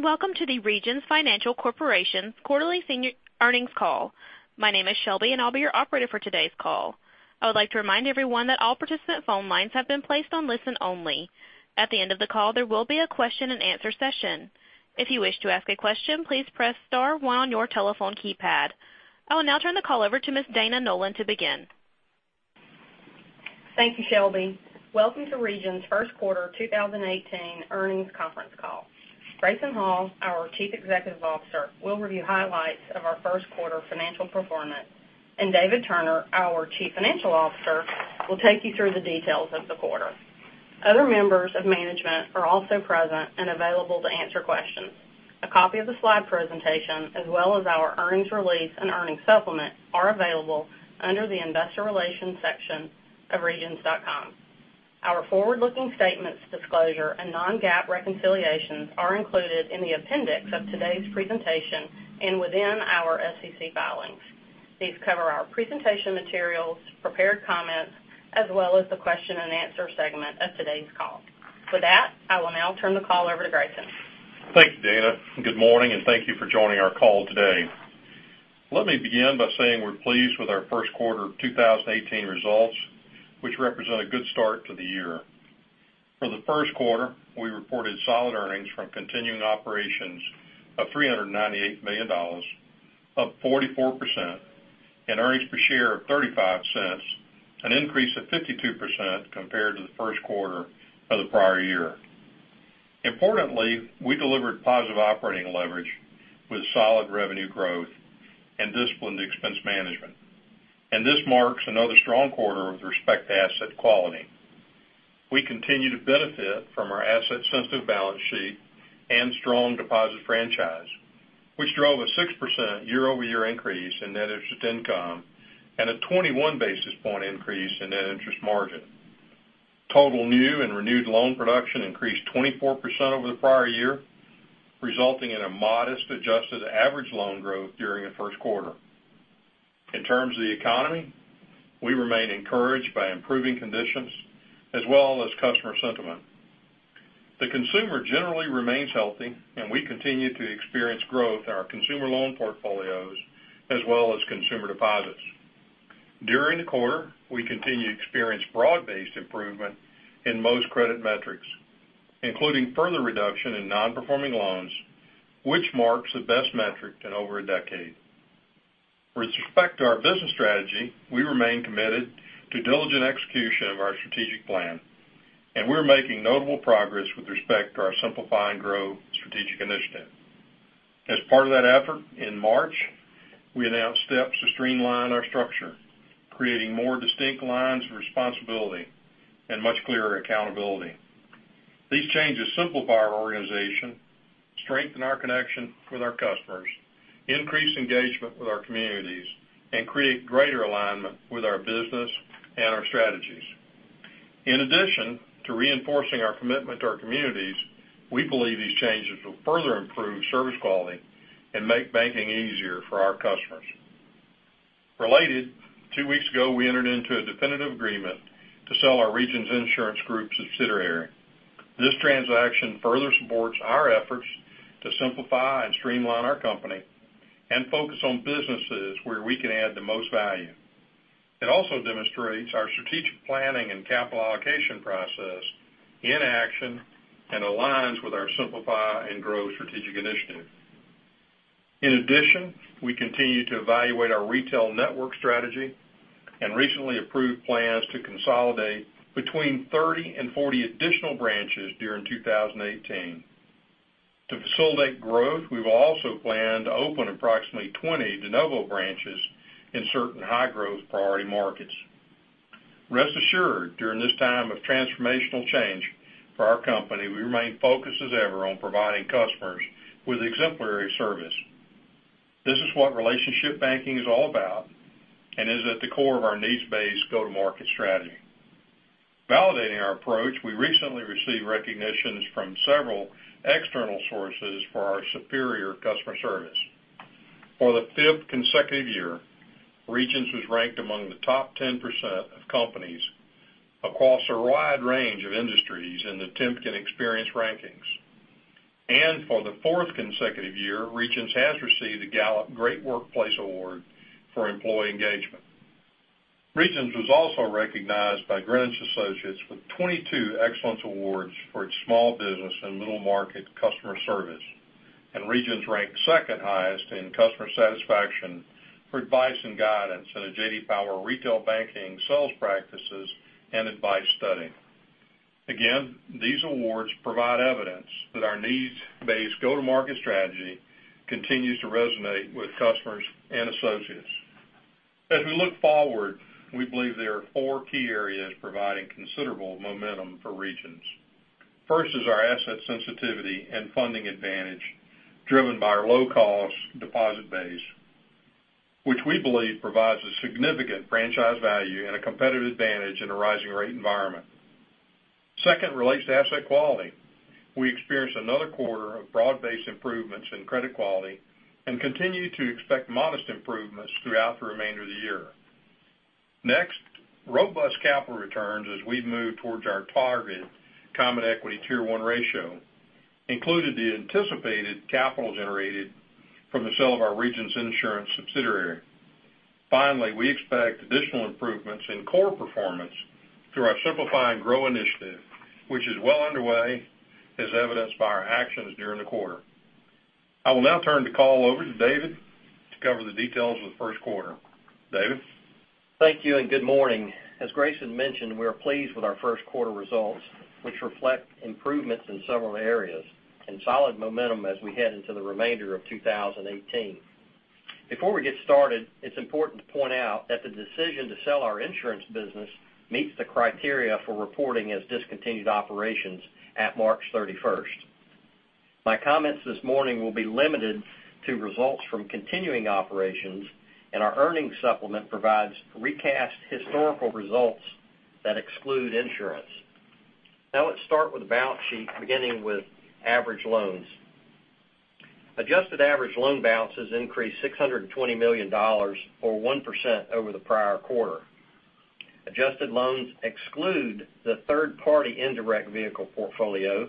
Welcome to the Regions Financial Corporation quarterly senior earnings call. My name is Shelby, and I'll be your operator for today's call. I would like to remind everyone that all participant phone lines have been placed on listen only. At the end of the call, there will be a question and answer session. If you wish to ask a question, please press star one on your telephone keypad. I will now turn the call over to Ms. Dana Nolan to begin. Thank you, Shelby. Welcome to Regions' first quarter 2018 earnings conference call. Grayson Hall, our Chief Executive Officer, will review highlights of our first quarter financial performance. David Turner, our Chief Financial Officer, will take you through the details of the quarter. Other members of management are also present and available to answer questions. A copy of the slide presentation, as well as our earnings release and earnings supplement, are available under the investor relations section of regions.com. Our forward-looking statements disclosure and non-GAAP reconciliations are included in the appendix of today's presentation and within our SEC filings. These cover our presentation materials, prepared comments, as well as the question and answer segment of today's call. With that, I will now turn the call over to Grayson. Thank you, Dana. Good morning. Thank you for joining our call today. Let me begin by saying we're pleased with our first quarter 2018 results, which represent a good start to the year. For the first quarter, we reported solid earnings from continuing operations of $398 million, up 44%. Earnings per share of $0.35, an increase of 52% compared to the first quarter of the prior year. Importantly, we delivered positive operating leverage with solid revenue growth and disciplined expense management. This marks another strong quarter with respect to asset quality. We continue to benefit from our asset-sensitive balance sheet and strong deposit franchise, which drove a 6% year-over-year increase in net interest income and a 21 basis point increase in net interest margin. Total new and renewed loan production increased 24% over the prior year, resulting in a modest adjusted average loan growth during the first quarter. In terms of the economy, we remain encouraged by improving conditions as well as customer sentiment. The consumer generally remains healthy. We continue to experience growth in our consumer loan portfolios as well as consumer deposits. During the quarter, we continued to experience broad-based improvement in most credit metrics, including further reduction in non-performing loans, which marks the best metric in over a decade. With respect to our business strategy, we remain committed to diligent execution of our strategic plan. We're making notable progress with respect to our Simplify and Grow strategic initiative. As part of that effort, in March, we announced steps to streamline our structure, creating more distinct lines of responsibility and much clearer accountability. These changes simplify our organization, strengthen our connection with our customers, increase engagement with our communities, and create greater alignment with our business and our strategies. In addition to reinforcing our commitment to our communities, we believe these changes will further improve service quality and make banking easier for our customers. Related, two weeks ago, we entered into a definitive agreement to sell our Regions Insurance Group subsidiary. This transaction further supports our efforts to simplify and streamline our company and focus on businesses where we can add the most value. It also demonstrates our strategic planning and capital allocation process in action and aligns with our Simplify and Grow strategic initiative. In addition, we continue to evaluate our retail network strategy and recently approved plans to consolidate between 30 and 40 additional branches during 2018. To facilitate growth, we have also planned to open approximately 20 de novo branches in certain high-growth priority markets. Rest assured, during this time of transformational change for our company, we remain focused as ever on providing customers with exemplary service. This is what relationship banking is all about and is at the core of our needs-based go-to-market strategy. Validating our approach, we recently received recognitions from several external sources for our superior customer service. For the fifth consecutive year, Regions was ranked among the top 10% of companies across a wide range of industries in the Temkin Experience Ratings. For the fourth consecutive year, Regions has received the Gallup Great Workplace Award for employee engagement. Regions was also recognized by Greenwich Associates with 22 Excellence Awards for its small business and middle market customer service, and Regions ranked second highest in customer satisfaction for advice and guidance in the J.D. Power U.S. Retail Banking Advice Study. Again, these awards provide evidence that our needs-based go-to-market strategy continues to resonate with customers and associates. As we look forward, we believe there are four key areas providing considerable momentum for Regions. First is our asset sensitivity and funding advantage, driven by our low-cost deposit base, which we believe provides a significant franchise value and a competitive advantage in a rising rate environment. Second relates to asset quality. We experienced another quarter of broad-based improvements in credit quality and continue to expect modest improvements throughout the remainder of the year. Next, robust capital returns as we move towards our target Common Equity Tier 1 ratio included the anticipated capital generated from the sale of our Regions Insurance subsidiary. Finally, we expect additional improvements in core performance through our Simplify and Grow initiative, which is well underway as evidenced by our actions during the quarter. I will now turn the call over to David to cover the details of the first quarter. David? Thank you. Good morning. As Grayson mentioned, we are pleased with our first quarter results, which reflect improvements in several areas and solid momentum as we head into the remainder of 2018. Before we get started, it is important to point out that the decision to sell our insurance business meets the criteria for reporting as discontinued operations at March 31st. My comments this morning will be limited to results from continuing operations. Our earnings supplement provides recast historical results that exclude insurance. Let's start with the balance sheet, beginning with average loans. Adjusted average loan balances increased $620 million, or 1% over the prior quarter. Adjusted loans exclude the third-party indirect vehicle portfolio,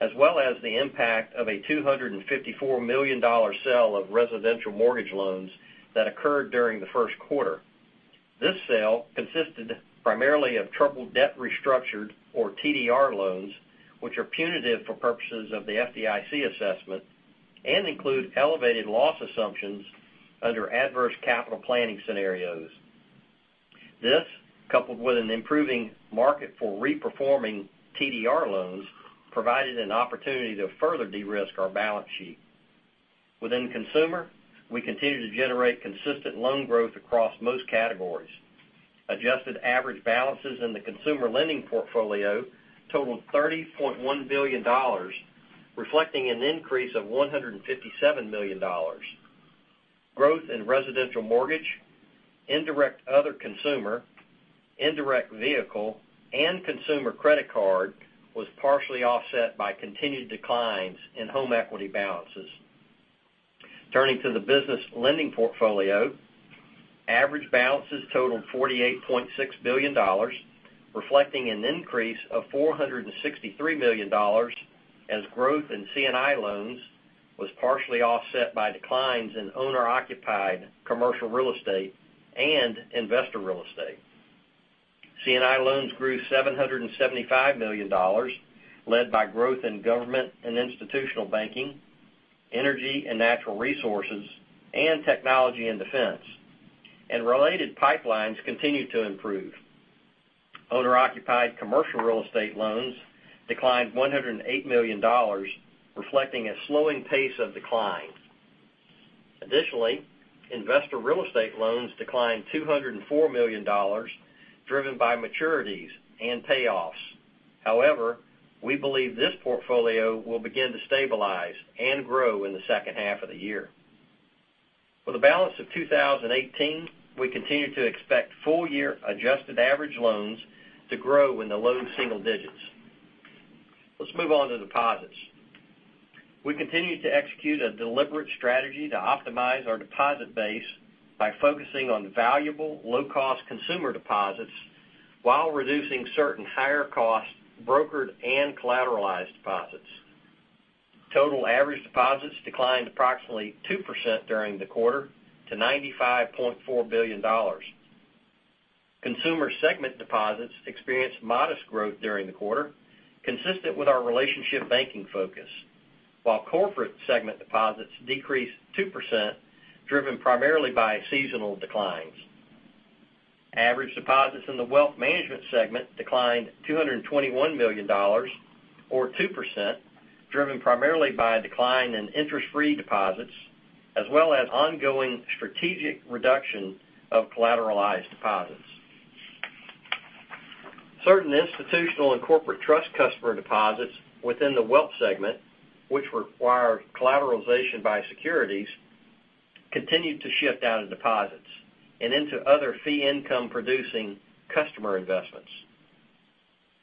as well as the impact of a $254 million sale of residential mortgage loans that occurred during the first quarter. This sale consisted primarily of troubled debt restructured, or TDR loans, which are punitive for purposes of the FDIC assessment and include elevated loss assumptions under adverse capital planning scenarios. Coupled with an improving market for re-performing TDR loans, this provided an opportunity to further de-risk our balance sheet. Within consumer, we continue to generate consistent loan growth across most categories. Adjusted average balances in the consumer lending portfolio totaled $30.1 billion, reflecting an increase of $157 million. Growth in residential mortgage, indirect other consumer, indirect vehicle, and consumer credit card was partially offset by continued declines in home equity balances. Turning to the business lending portfolio, average balances totaled $48.6 billion, reflecting an increase of $463 million as growth in C&I loans was partially offset by declines in owner-occupied commercial real estate and investor real estate. C&I loans grew $775 million, led by growth in government and institutional banking, energy and natural resources, and technology and defense. Related pipelines continued to improve. Owner-occupied commercial real estate loans declined $108 million, reflecting a slowing pace of decline. Additionally, investor real estate loans declined $204 million, driven by maturities and payoffs. We believe this portfolio will begin to stabilize and grow in the second half of the year. For the balance of 2018, we continue to expect full-year adjusted average loans to grow in the low single digits. Let's move on to deposits. We continue to execute a deliberate strategy to optimize our deposit base by focusing on valuable, low-cost consumer deposits while reducing certain higher-cost brokered and collateralized deposits. Total average deposits declined approximately 2% during the quarter to $95.4 billion. Consumer segment deposits experienced modest growth during the quarter, consistent with our relationship banking focus, while corporate segment deposits decreased 2%, driven primarily by seasonal declines. Average deposits in the wealth management segment declined $221 million, or 2%, driven primarily by a decline in interest-free deposits, as well as ongoing strategic reduction of collateralized deposits. Certain institutional and corporate trust customer deposits within the wealth segment, which require collateralization by securities, continued to shift out of deposits and into other fee income-producing customer investments.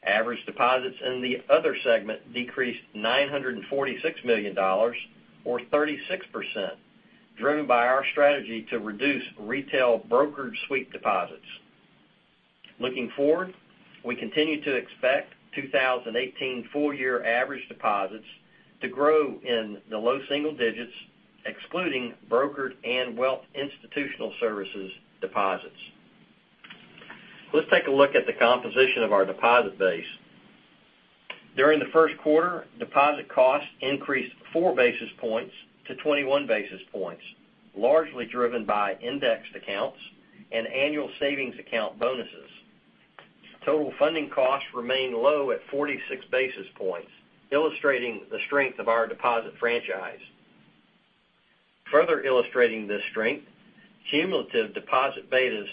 Average deposits in the other segment decreased $946 million, or 36%, driven by our strategy to reduce retail brokered sweep deposits. Looking forward, we continue to expect 2018 full-year average deposits to grow in the low single digits, excluding brokered and wealth institutional services deposits. Let's take a look at the composition of our deposit base. During the first quarter, deposit costs increased four basis points to 21 basis points, largely driven by indexed accounts and annual savings account bonuses. Total funding costs remain low at 46 basis points, illustrating the strength of our deposit franchise. Further illustrating this strength, cumulative deposit betas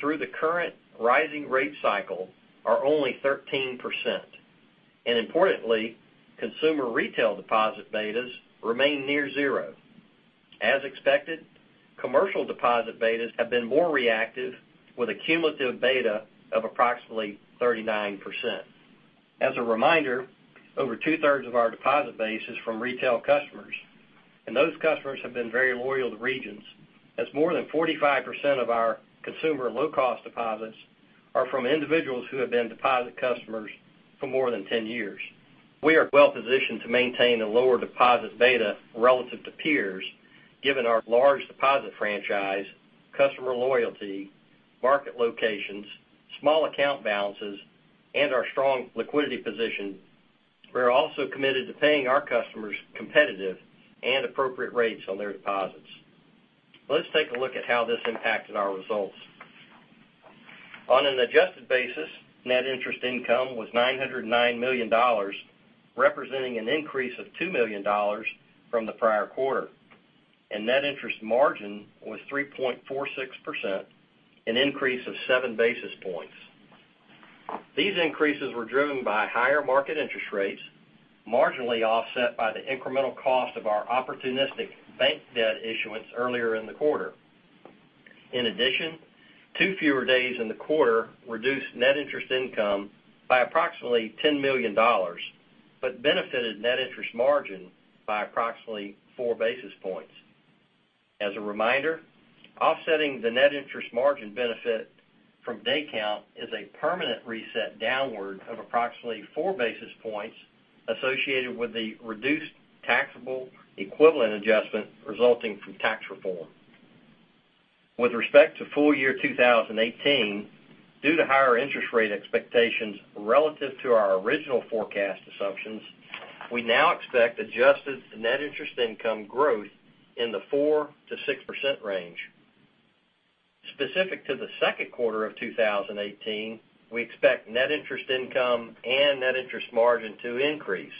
through the current rising rate cycle are only 13%. Importantly, consumer retail deposit betas remain near zero. As expected, commercial deposit betas have been more reactive with a cumulative beta of approximately 39%. As a reminder, over two-thirds of our deposit base is from retail customers, and those customers have been very loyal to Regions, as more than 45% of our consumer low-cost deposits are from individuals who have been deposit customers for more than 10 years. We are well positioned to maintain a lower deposit beta relative to peers, given our large deposit franchise, customer loyalty, market locations, small account balances, and our strong liquidity position. We are also committed to paying our customers competitive and appropriate rates on their deposits. Let's take a look at how this impacted our results. On an adjusted basis, net interest income was $909 million, representing an increase of $2 million from the prior quarter. Net interest margin was 3.46%, an increase of seven basis points. These increases were driven by higher market interest rates, marginally offset by the incremental cost of our opportunistic bank debt issuance earlier in the quarter. In addition, two fewer days in the quarter reduced net interest income by approximately $10 million but benefited net interest margin by approximately four basis points. As a reminder, offsetting the net interest margin benefit from day count is a permanent reset downward of approximately four basis points associated with the reduced taxable equivalent adjustment resulting from tax reform. With respect to full year 2018, due to higher interest rate expectations relative to our original forecast assumptions, we now expect adjusted net interest income growth in the 4%-6% range. Specific to the second quarter of 2018, we expect net interest income and net interest margin to increase,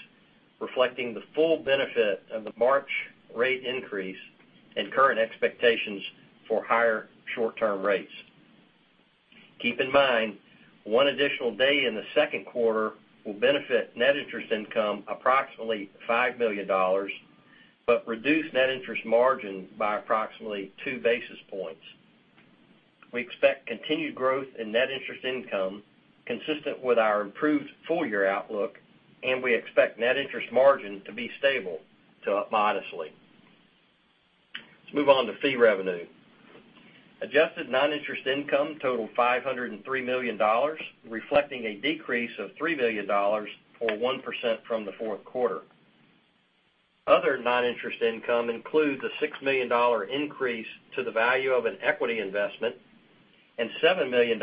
reflecting the full benefit of the March rate increase and current expectations for higher short-term rates. Keep in mind, one additional day in the second quarter will benefit net interest income approximately $5 million, but reduce net interest margin by approximately two basis points. We expect continued growth in net interest income consistent with our improved full-year outlook. We expect net interest margin to be stable to up modestly. Let's move on to fee revenue. Adjusted non-interest income totaled $503 million, reflecting a decrease of $3 million or 1% from the fourth quarter. Other non-interest income includes a $6 million increase to the value of an equity investment and $7 million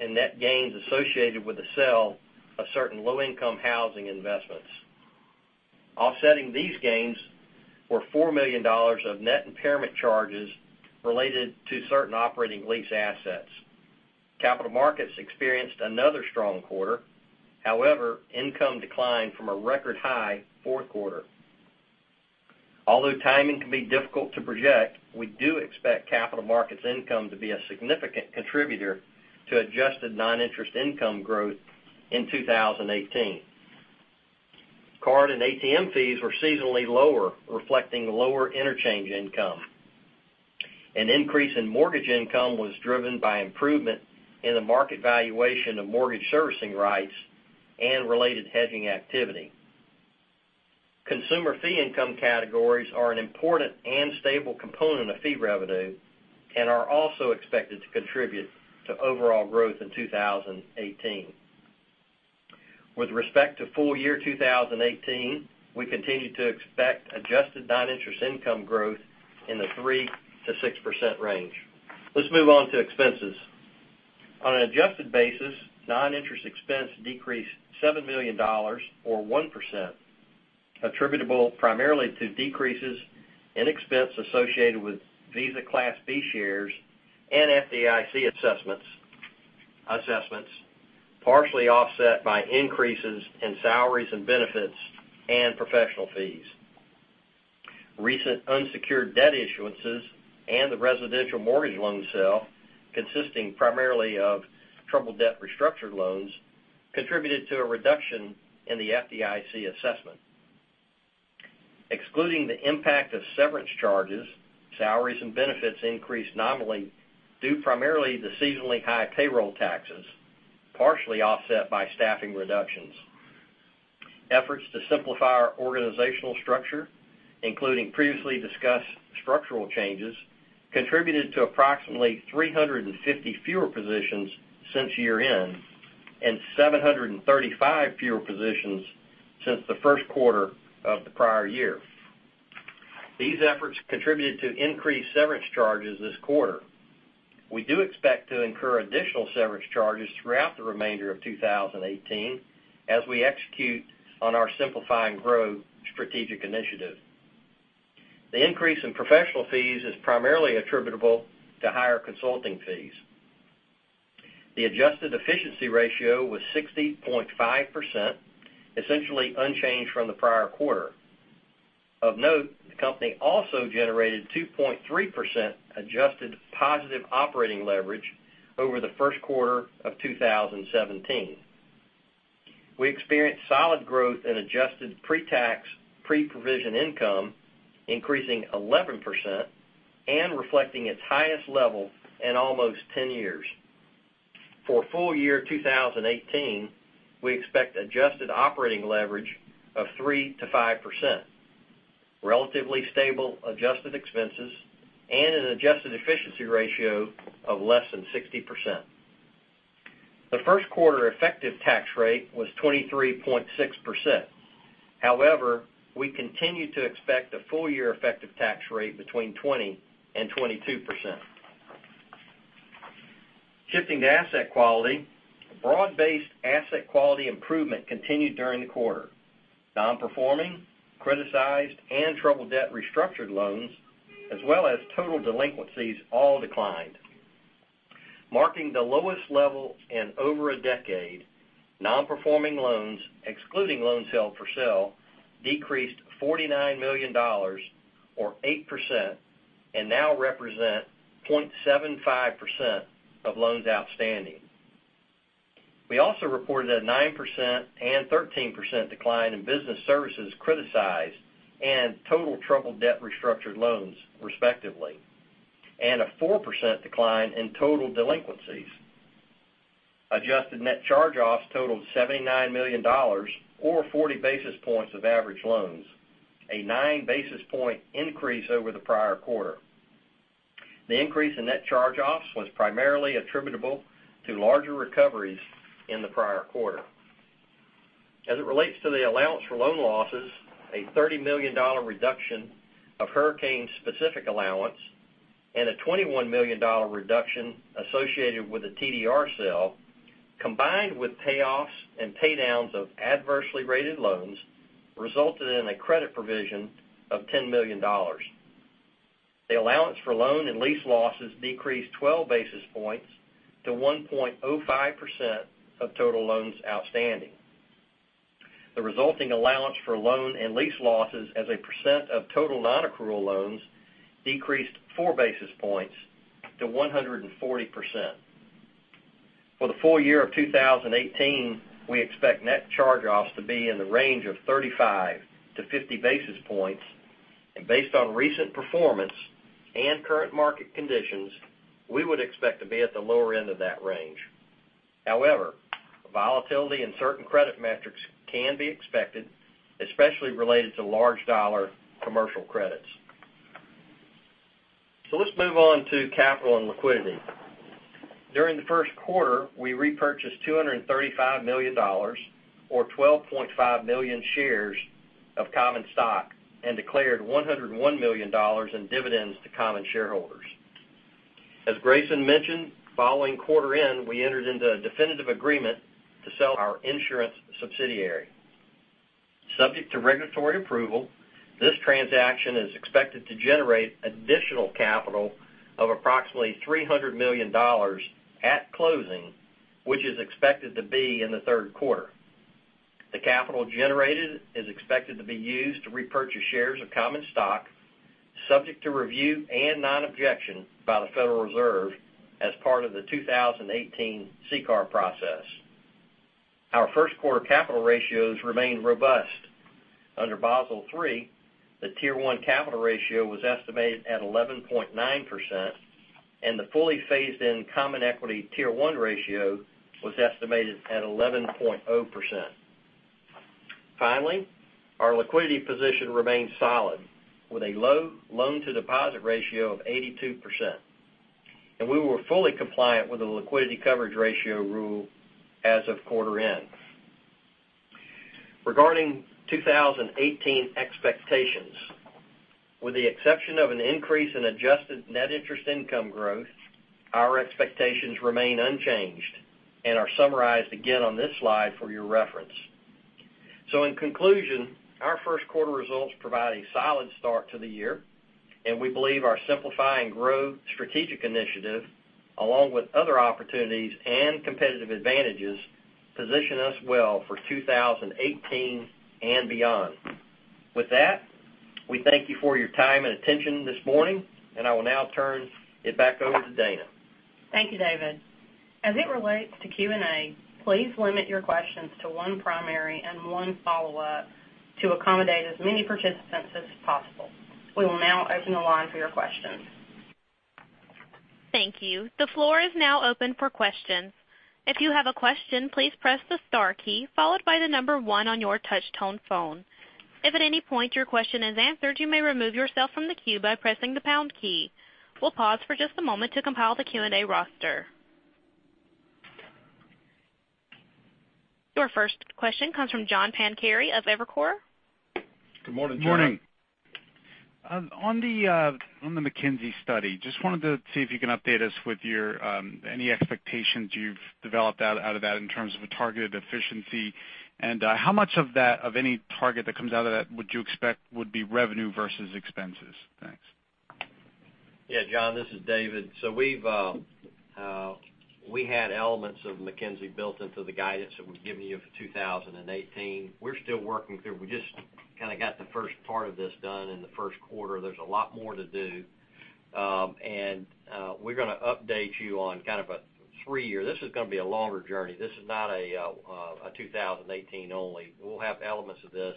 in net gains associated with the sale of certain low-income housing investments. Offsetting these gains were $4 million of net impairment charges related to certain operating lease assets. Capital markets experienced another strong quarter. However, income declined from a record-high fourth quarter. Although timing can be difficult to project, we do expect capital markets income to be a significant contributor to adjusted non-interest income growth in 2018. Card and ATM fees were seasonally lower, reflecting lower interchange income. An increase in mortgage income was driven by improvement in the market valuation of mortgage servicing rights and related hedging activity. Consumer fee income categories are an important and stable component of fee revenue and are also expected to contribute to overall growth in 2018. With respect to full year 2018, we continue to expect adjusted non-interest income growth in the 3%-6% range. Let's move on to expenses. On an adjusted basis, non-interest expense decreased $7 million, or 1%, attributable primarily to decreases in expense associated with Visa Class B shares and FDIC assessments, partially offset by increases in salaries and benefits and professional fees. Recent unsecured debt issuances and the residential mortgage loan sale, consisting primarily of troubled debt restructured loans, contributed to a reduction in the FDIC assessment. Excluding the impact of severance charges, salaries and benefits increased nominally due primarily to seasonally high payroll taxes, partially offset by staffing reductions. Efforts to simplify our organizational structure, including previously discussed structural changes, contributed to approximately 350 fewer positions since year-end and 735 fewer positions since the first quarter of the prior year. These efforts contributed to increased severance charges this quarter. We do expect to incur additional severance charges throughout the remainder of 2018 as we execute on our Simplify and Grow strategic initiative. The increase in professional fees is primarily attributable to higher consulting fees. The adjusted efficiency ratio was 60.5%, essentially unchanged from the prior quarter. Of note, the company also generated 2.3% adjusted positive operating leverage over the first quarter of 2017. We experienced solid growth in adjusted pre-tax, pre-provision income, increasing 11%. Reflecting its highest level in almost 10 years. For full year 2018, we expect adjusted operating leverage of 3%-5%, relatively stable adjusted expenses, and an adjusted efficiency ratio of less than 60%. The first quarter effective tax rate was 23.6%. However, we continue to expect a full year effective tax rate between 20% and 22%. Shifting to asset quality, broad-based asset quality improvement continued during the quarter. Non-performing, criticized, and troubled debt restructured loans, as well as total delinquencies, all declined. Marking the lowest level in over a decade, non-performing loans, excluding loans held for sale, decreased $49 million or 8%, and now represent 0.75% of loans outstanding. We also reported a 9% and 13% decline in business services criticized and total troubled debt restructured loans, respectively, and a 4% decline in total delinquencies. Adjusted net charge-offs totaled $79 million, or 40 basis points of average loans, a nine basis point increase over the prior quarter. The increase in net charge-offs was primarily attributable to larger recoveries in the prior quarter. As it relates to the allowance for loan losses, a $30 million reduction of hurricane-specific allowance and a $21 million reduction associated with the TDR sale, combined with payoffs and pay downs of adversely rated loans, resulted in a credit provision of $10 million. The allowance for loan and lease losses decreased 12 basis points to 1.05% of total loans outstanding. The resulting allowance for loan and lease losses as a percent of total nonaccrual loans decreased four basis points to 140%. For the full year of 2018, we expect net charge-offs to be in the range of 35-50 basis points. Based on recent performance and current market conditions, we would expect to be at the lower end of that range. However, volatility in certain credit metrics can be expected, especially related to large dollar commercial credits. Let's move on to capital and liquidity. During the first quarter, we repurchased $235 million or 12.5 million shares of common stock and declared $101 million in dividends to common shareholders. As Grayson mentioned, following quarter end, we entered into a definitive agreement to sell our Regions Insurance subsidiary. Subject to regulatory approval, this transaction is expected to generate additional capital of approximately $300 million at closing, which is expected to be in the third quarter. The capital generated is expected to be used to repurchase shares of common stock, subject to review and non-objection by the Federal Reserve as part of the 2018 CCAR process. Our first quarter capital ratios remain robust. Under Basel III, the Tier 1 capital ratio was estimated at 11.9%, and the fully phased-in Common Equity Tier 1 ratio was estimated at 11.0%. Finally, our liquidity position remains solid with a low loan-to-deposit ratio of 82%. We were fully compliant with the liquidity coverage ratio rule as of quarter end. Regarding 2018 expectations, with the exception of an increase in adjusted net interest income growth, our expectations remain unchanged and are summarized again on this slide for your reference. In conclusion, our first quarter results provide a solid start to the year, and we believe our Simplify and Grow strategic initiative, along with other opportunities and competitive advantages, position us well for 2018 and beyond. With that, we thank you for your time and attention this morning, and I will now turn it back over to Dana. Thank you, David. As it relates to Q&A, please limit your questions to one primary and one follow-up to accommodate as many participants as possible. We will now open the line for your questions. Thank you. The floor is now open for questions. If you have a question, please press the star key followed by the number one on your touch tone phone. If at any point your question is answered, you may remove yourself from the queue by pressing the pound key. We will pause for just a moment to compile the Q&A roster. Your first question comes from John Pancari of Evercore. Good morning, John. Good morning. On the McKinsey study, just wanted to see if you can update us with any expectations you've developed out of that in terms of a targeted efficiency, and how much of any target that comes out of that would you expect would be revenue versus expenses? Thanks. Yeah, John, this is David. We had elements of McKinsey built into the guidance that we've given you for 2018. We're still working through. We just kind of got the first part of this done in the first quarter. There's a lot more to do. We're going to update you on kind of a three-year. This is going to be a longer journey. This is not a 2018 only. We'll have elements of this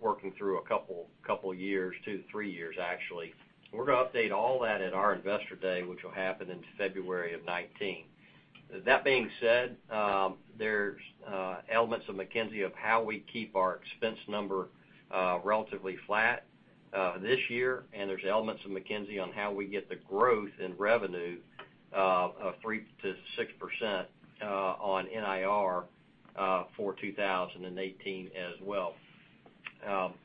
working through a couple years, two to three years, actually. We're going to update all that at our investor day, which will happen in February of 2019. That being said, there's elements of McKinsey of how we keep our expense number relatively flat this year, and there's elements of McKinsey on how we get the growth in revenue of 3%-6% on NIR for 2018 as well.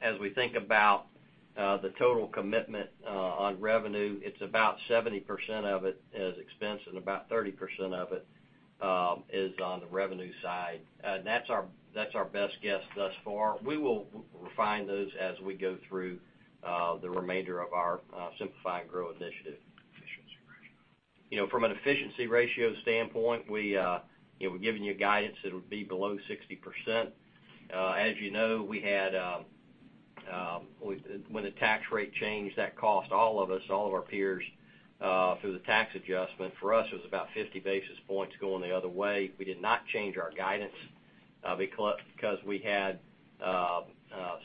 As we think about the total commitment on revenue, it's about 70% of it is expense and about 30% of it is on the revenue side. That's our best guess thus far. We will refine those as we go through the remainder of our Simplify and Grow initiative. From an efficiency ratio standpoint, we're giving you guidance that it would be below 60%. As you know, when the tax rate changed, that cost all of us, all of our peers, through the tax adjustment. For us, it was about 50 basis points going the other way. We did not change our guidance because we had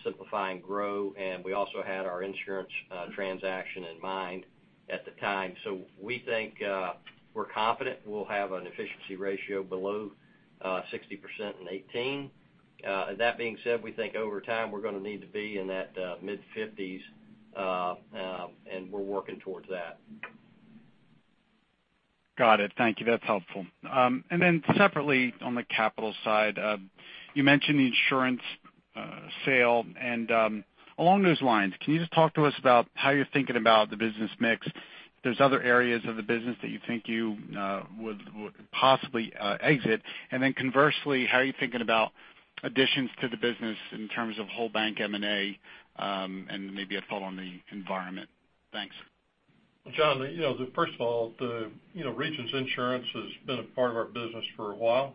Simplify and Grow, and we also had our insurance transaction in mind at the time. We think we're confident we'll have an efficiency ratio below 60% in 2018. That being said, we think over time, we're going to need to be in that mid-50s. We're working towards that. Got it. Thank you. That's helpful. Separately on the capital side, you mentioned the Regions Insurance sale. Along those lines, can you just talk to us about how you're thinking about the business mix? There's other areas of the business that you think you would possibly exit. Conversely, how are you thinking about additions to the business in terms of whole bank M&A, and maybe a follow on the environment. Thanks. John, first of all, Regions Insurance has been a part of our business for a while.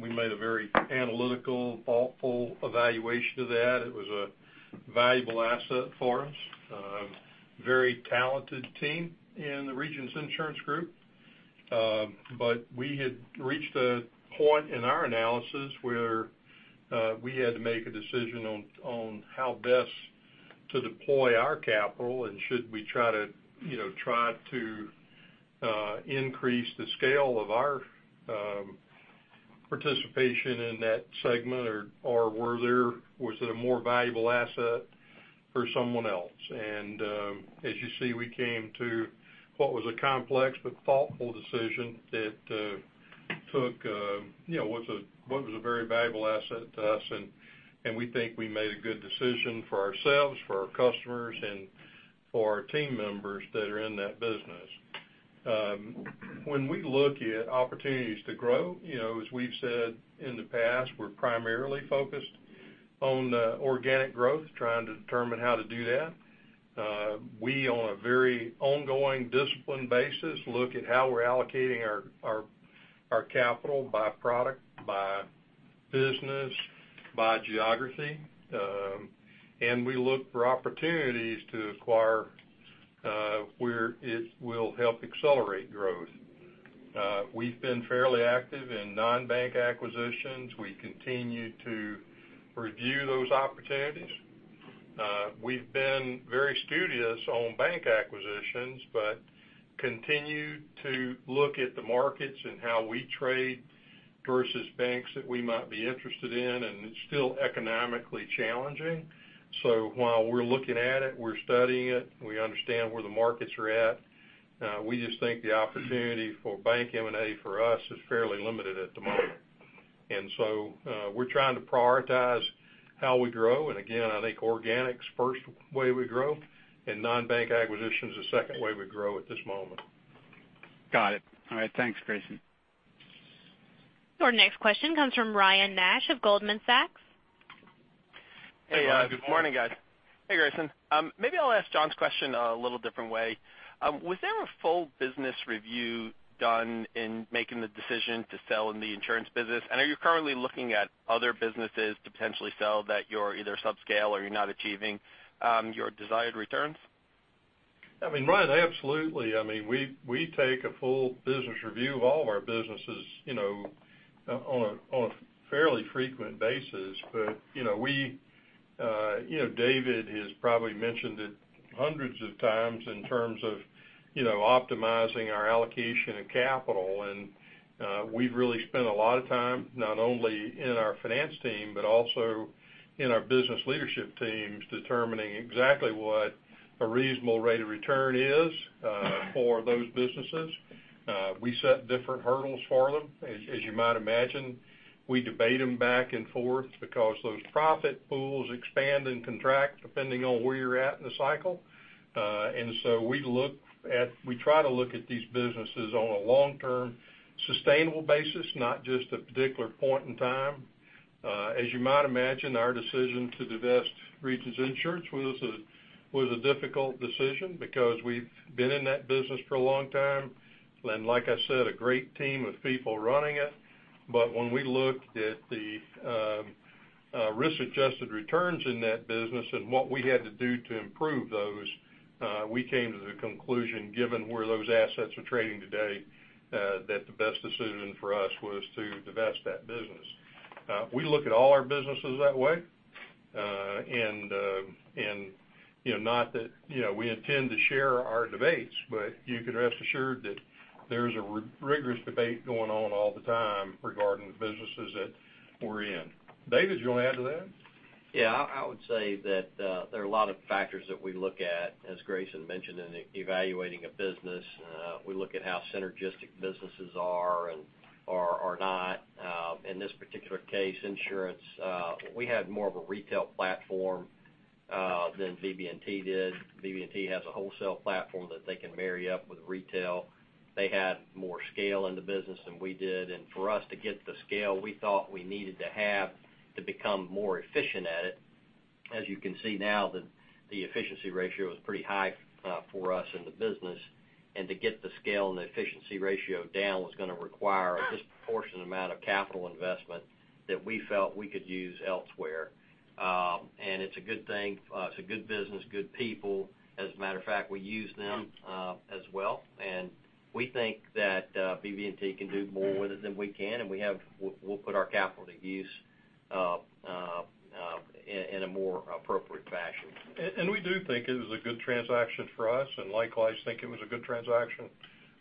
We made a very analytical, thoughtful evaluation of that. It was a valuable asset for us. Very talented team in the Regions Insurance Group. We had reached a point in our analysis where we had to make a decision on how best to deploy our capital and should we try to increase the scale of our participation in that segment, or was it a more valuable asset for someone else? As you see, we came to what was a complex but thoughtful decision that took what was a very valuable asset to us, and we think we made a good decision for ourselves, for our customers, and for our team members that are in that business. When we look at opportunities to grow, as we've said in the past, we're primarily focused on organic growth, trying to determine how to do that. We, on a very ongoing, disciplined basis, look at how we're allocating our capital by product, by business, by geography. We look for opportunities to acquire where it will help accelerate growth. We've been fairly active in non-bank acquisitions. We continue to review those opportunities. We've been very studious on bank acquisitions but continue to look at the markets and how we trade versus banks that we might be interested in, and it's still economically challenging. While we're looking at it, we're studying it, we understand where the markets are at. We just think the opportunity for bank M&A for us is fairly limited at the moment. We're trying to prioritize how we grow. Again, I think organic's first way we grow, and non-bank acquisition is the second way we grow at this moment. Got it. All right. Thanks, Grayson. Your next question comes from Ryan Nash of Goldman Sachs. Hey, Ryan. Good morning. Hey, good morning, guys. Hey, Grayson. Maybe I'll ask John's question a little different way. Was there a full business review done in making the decision to sell in the insurance business? Are you currently looking at other businesses to potentially sell that you're either subscale or you're not achieving your desired returns? I mean, Ryan, absolutely. We take a full business review of all of our businesses on a fairly frequent basis. David has probably mentioned it hundreds of times in terms of optimizing our allocation of capital, and we've really spent a lot of time not only in our finance team, but also in our business leadership teams, determining exactly what a reasonable rate of return is for those businesses. We set different hurdles for them. As you might imagine, we debate them back and forth because those profit pools expand and contract depending on where you're at in the cycle. So we try to look at these businesses on a long-term, sustainable basis, not just a particular point in time. As you might imagine, our decision to divest Regions Insurance was a difficult decision because we've been in that business for a long time. Like I said, a great team of people running it. When we looked at the risk-adjusted returns in that business and what we had to do to improve those, we came to the conclusion, given where those assets are trading today, that the best decision for us was to divest that business. We look at all our businesses that way. Not that we intend to share our debates, but you can rest assured that there's a rigorous debate going on all the time regarding the businesses that we're in. David, do you want to add to that? I would say that there are a lot of factors that we look at, as Grayson mentioned, in evaluating a business. We look at how synergistic businesses are or are not. In this particular case, insurance, we had more of a retail platform than BB&T did. BB&T has a wholesale platform that they can marry up with retail. They had more scale in the business than we did. For us to get the scale we thought we needed to have to become more efficient at it, as you can see now, the efficiency ratio is pretty high for us in the business. To get the scale and the efficiency ratio down was going to require a disproportionate amount of capital investment that we felt we could use elsewhere. It's a good thing. It's a good business, good people. As a matter of fact, we use them as well, and we think that BB&T can do more with it than we can, and we'll put our capital to use in a more appropriate fashion. We do think it was a good transaction for us, and likewise, think it was a good transaction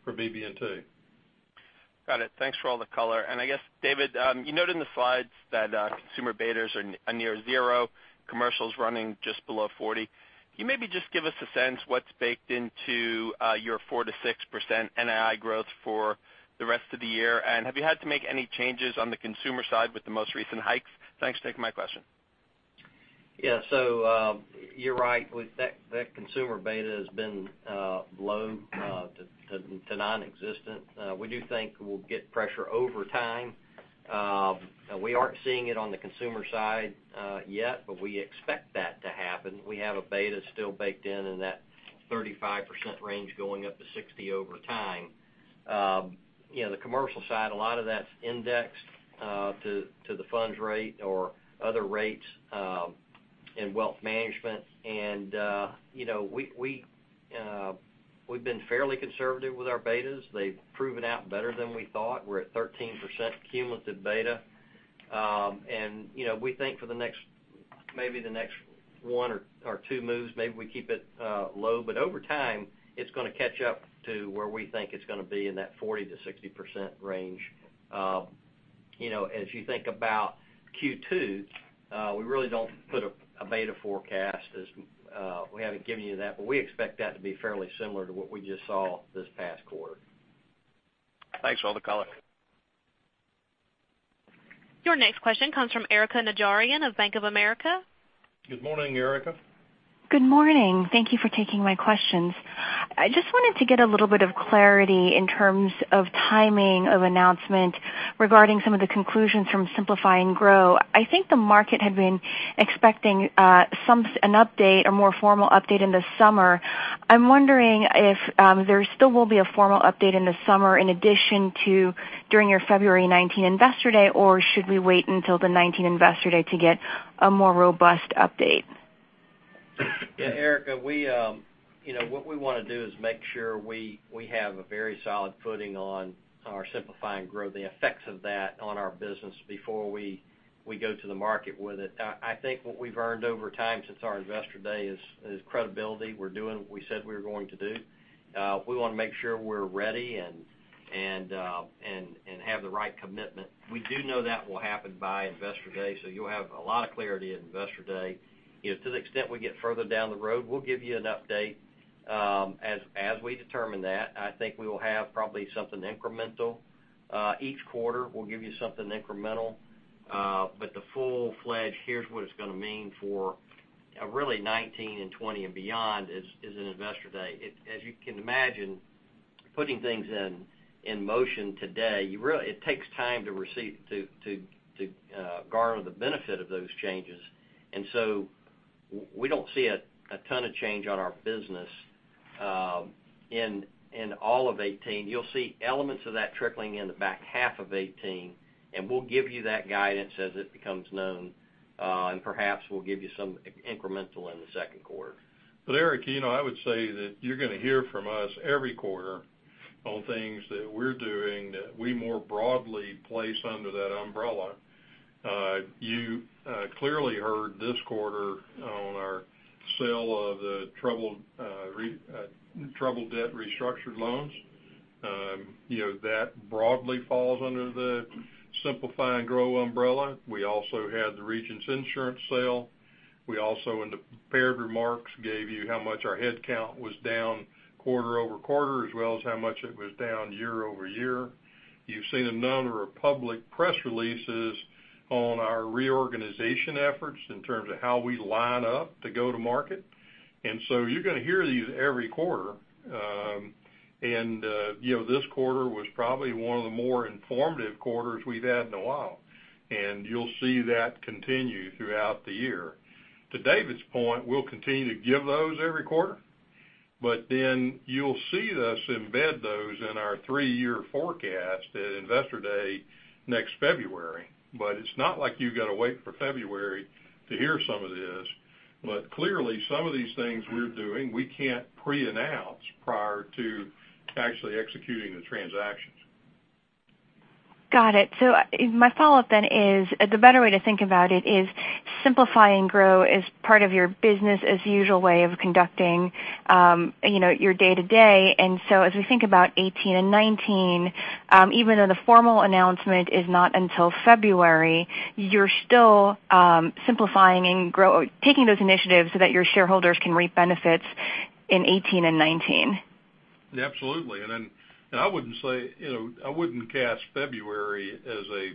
for BB&T. Got it. Thanks for all the color. I guess, David, you noted in the slides that consumer betas are near zero, commercials running just below 40. Can you maybe just give us a sense what's baked into your 4%-6% NII growth for the rest of the year? Have you had to make any changes on the consumer side with the most recent hikes? Thanks for taking my question. You're right. That consumer beta has been low to nonexistent. We do think we'll get pressure over time. We aren't seeing it on the consumer side yet, but we expect that to happen. We have a beta still baked in in that 35% range, going up to 60% over time. The commercial side, a lot of that's indexed to the funds rate or other rates in wealth management. We've been fairly conservative with our betas. They've proven out better than we thought. We're at 13% cumulative beta. We think for maybe the next one or two moves, maybe we keep it low. Over time, it's going to catch up to where we think it's going to be in that 40%-60% range. As you think about Q2, we really don't put a beta forecast, as we haven't given you that. We expect that to be fairly similar to what we just saw this past quarter. Thanks for all the color. Your next question comes from Erika Najarian of Bank of America. Good morning, Erika. Good morning. Thank you for taking my questions. I just wanted to get a little bit of clarity in terms of timing of announcement regarding some of the conclusions from Simplify and Grow. I think the market had been expecting an update, a more formal update in the summer. I'm wondering if there still will be a formal update in the summer, in addition to during your February 19 Investor Day, or should we wait until the 19 Investor Day to get a more robust update? Yeah, Erika, what we want to do is make sure we have a very solid footing on our Simplify and Grow, the effects of that on our business before we go to the market with it. I think what we've earned over time since our Investor Day is credibility. We're doing what we said we were going to do. We want to make sure we're ready and have the right commitment. We do know that will happen by Investor Day, so you'll have a lot of clarity at Investor Day. To the extent we get further down the road, we'll give you an update. As we determine that, I think we will have probably something incremental. Each quarter, we'll give you something incremental. The full-fledged, here's what it's going to mean for really 2019 and 2020 and beyond is in Investor Day. As you can imagine, putting things in motion today, it takes time to garner the benefit of those changes. So we don't see a ton of change on our business in all of 2018. You'll see elements of that trickling in the back half of 2018, and we'll give you that guidance as it becomes known. Perhaps we'll give you some incremental in the second quarter. Erika, I would say that you're going to hear from us every quarter on things that we're doing that we more broadly place under that umbrella. You clearly heard this quarter on our sale of the troubled debt restructured loans. That broadly falls under the Simplify and Grow umbrella. We also had the Regions Insurance sale. We also, in the prepared remarks, gave you how much our headcount was down quarter-over-quarter, as well as how much it was down year-over-year. You've seen a number of public press releases on our reorganization efforts in terms of how we line up to go to market. You're going to hear these every quarter. This quarter was probably one of the more informative quarters we've had in a while, and you'll see that continue throughout the year. To David's point, we'll continue to give those every quarter. You'll see us embed those in our three-year forecast at Investor Day next February. It's not like you've got to wait for February to hear some of this. Clearly, some of these things we're doing, we can't pre-announce prior to actually executing the transactions. Got it. My follow-up then is, the better way to think about it is Simplify and Grow is part of your business-as-usual way of conducting your day-to-day. As we think about 2018 and 2019, even though the formal announcement is not until February, you're still simplifying and taking those initiatives so that your shareholders can reap benefits in 2018 and 2019. Absolutely. I wouldn't cast February as a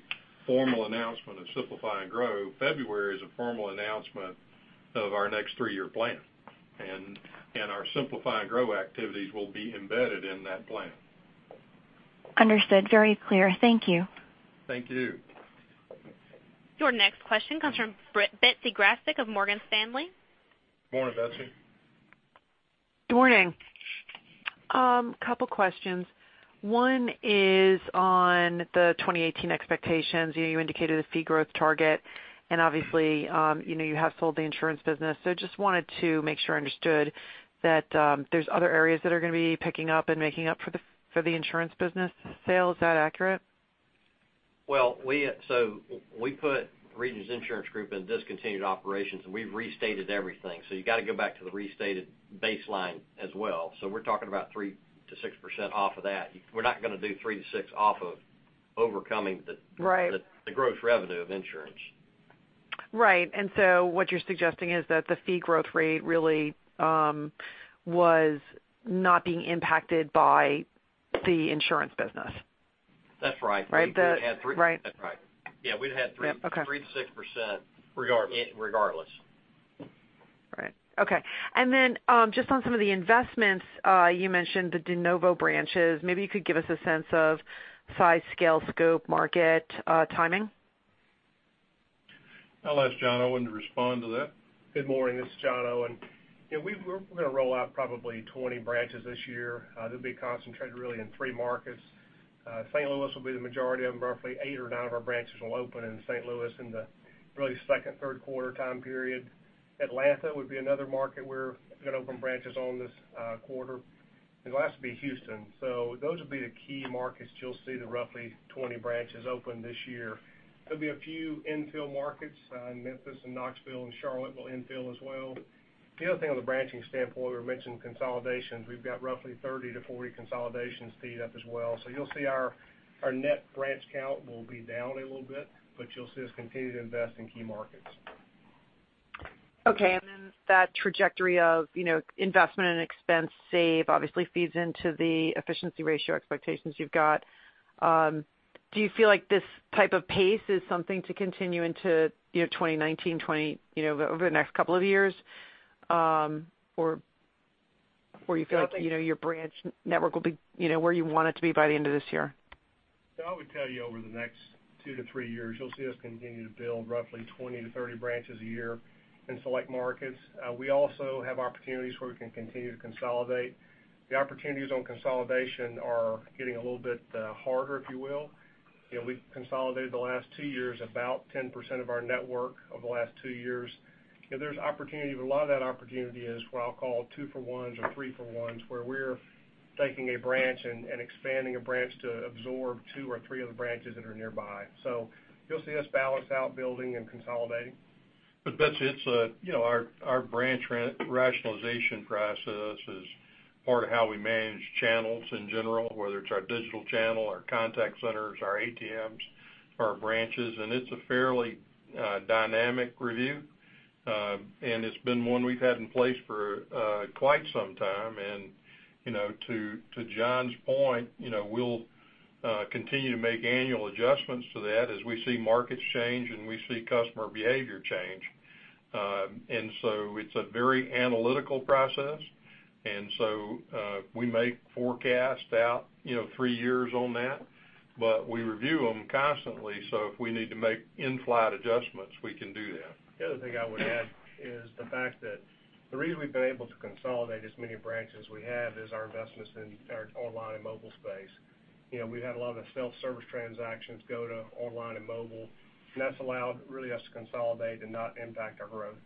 formal announcement of Simplify and Grow. February is a formal announcement of our next three-year plan, and our Simplify and Grow activities will be embedded in that plan. Understood. Very clear. Thank you. Thank you. Your next question comes from Betsy Graseck of Morgan Stanley. Morning, Betsy. Good morning. Couple questions. One is on the 2018 expectations. You indicated a fee growth target, and obviously, you have sold the insurance business. Just wanted to make sure I understood that there's other areas that are going to be picking up and making up for the insurance business sale. Is that accurate? Well, so we put Regions Insurance Group in discontinued operations, and we've restated everything. You got to go back to the restated baseline as well. We're talking about 3%-6% off of that. We're not going to do 3%-6% off of overcoming- Right the gross revenue of insurance. Right. What you're suggesting is that the fee growth rate really was not being impacted by the insurance business. That's right. Right. That's right. Yeah, we'd have 3% to 6% regardless. Right. Okay. Then just on some of the investments, you mentioned the de novo branches. Maybe you could give us a sense of size, scale, scope, market, timing. I'll ask John Owen to respond to that. Good morning. This is John Owen. We're going to roll out probably 20 branches this year. They'll be concentrated really in three markets. St. Louis will be the majority of them. Roughly eight or nine of our branches will open in St. Louis in the, really, second, third quarter time period. Atlanta would be another market we're going to open branches on this quarter, and the last would be Houston. Those will be the key markets you'll see the roughly 20 branches open this year. There'll be a few infill markets. Memphis and Knoxville and Charlotte will infill as well. The other thing on the branching standpoint, we mentioned consolidations. We've got roughly 30 to 40 consolidations teed up as well. You'll see our net branch count will be down a little bit, but you'll see us continue to invest in key markets. Okay. That trajectory of investment and expense save obviously feeds into the efficiency ratio expectations you've got. Do you feel like this type of pace is something to continue into 2019, over the next couple of years? You feel like your branch network will be where you want it to be by the end of this year? I would tell you over the next two to three years, you'll see us continue to build roughly 20 to 30 branches a year in select markets. We also have opportunities where we can continue to consolidate. The opportunities on consolidation are getting a little bit harder, if you will. We consolidated the last two years, about 10% of our network over the last two years. There's opportunity, but a lot of that opportunity is what I'll call two-for-ones or three-for-ones, where we're taking a branch and expanding a branch to absorb two or three other branches that are nearby. You'll see us balance out building and consolidating. Betsy, our branch rationalization process is part of how we manage channels in general, whether it's our digital channel, our contact centers, our ATMs, or our branches, and it's a fairly dynamic review. It's been one we've had in place for quite some time. To John's point, we'll continue to make annual adjustments to that as we see markets change, and we see customer behavior change. It's a very analytical process, and so we may forecast out three years on that, but we review them constantly, so if we need to make in-flight adjustments, we can do that. The other thing I would add is the fact that the reason we've been able to consolidate as many branches as we have is our investments in our online and mobile space. We've had a lot of the self-service transactions go to online and mobile, and that's allowed, really, us to consolidate and not impact our growth.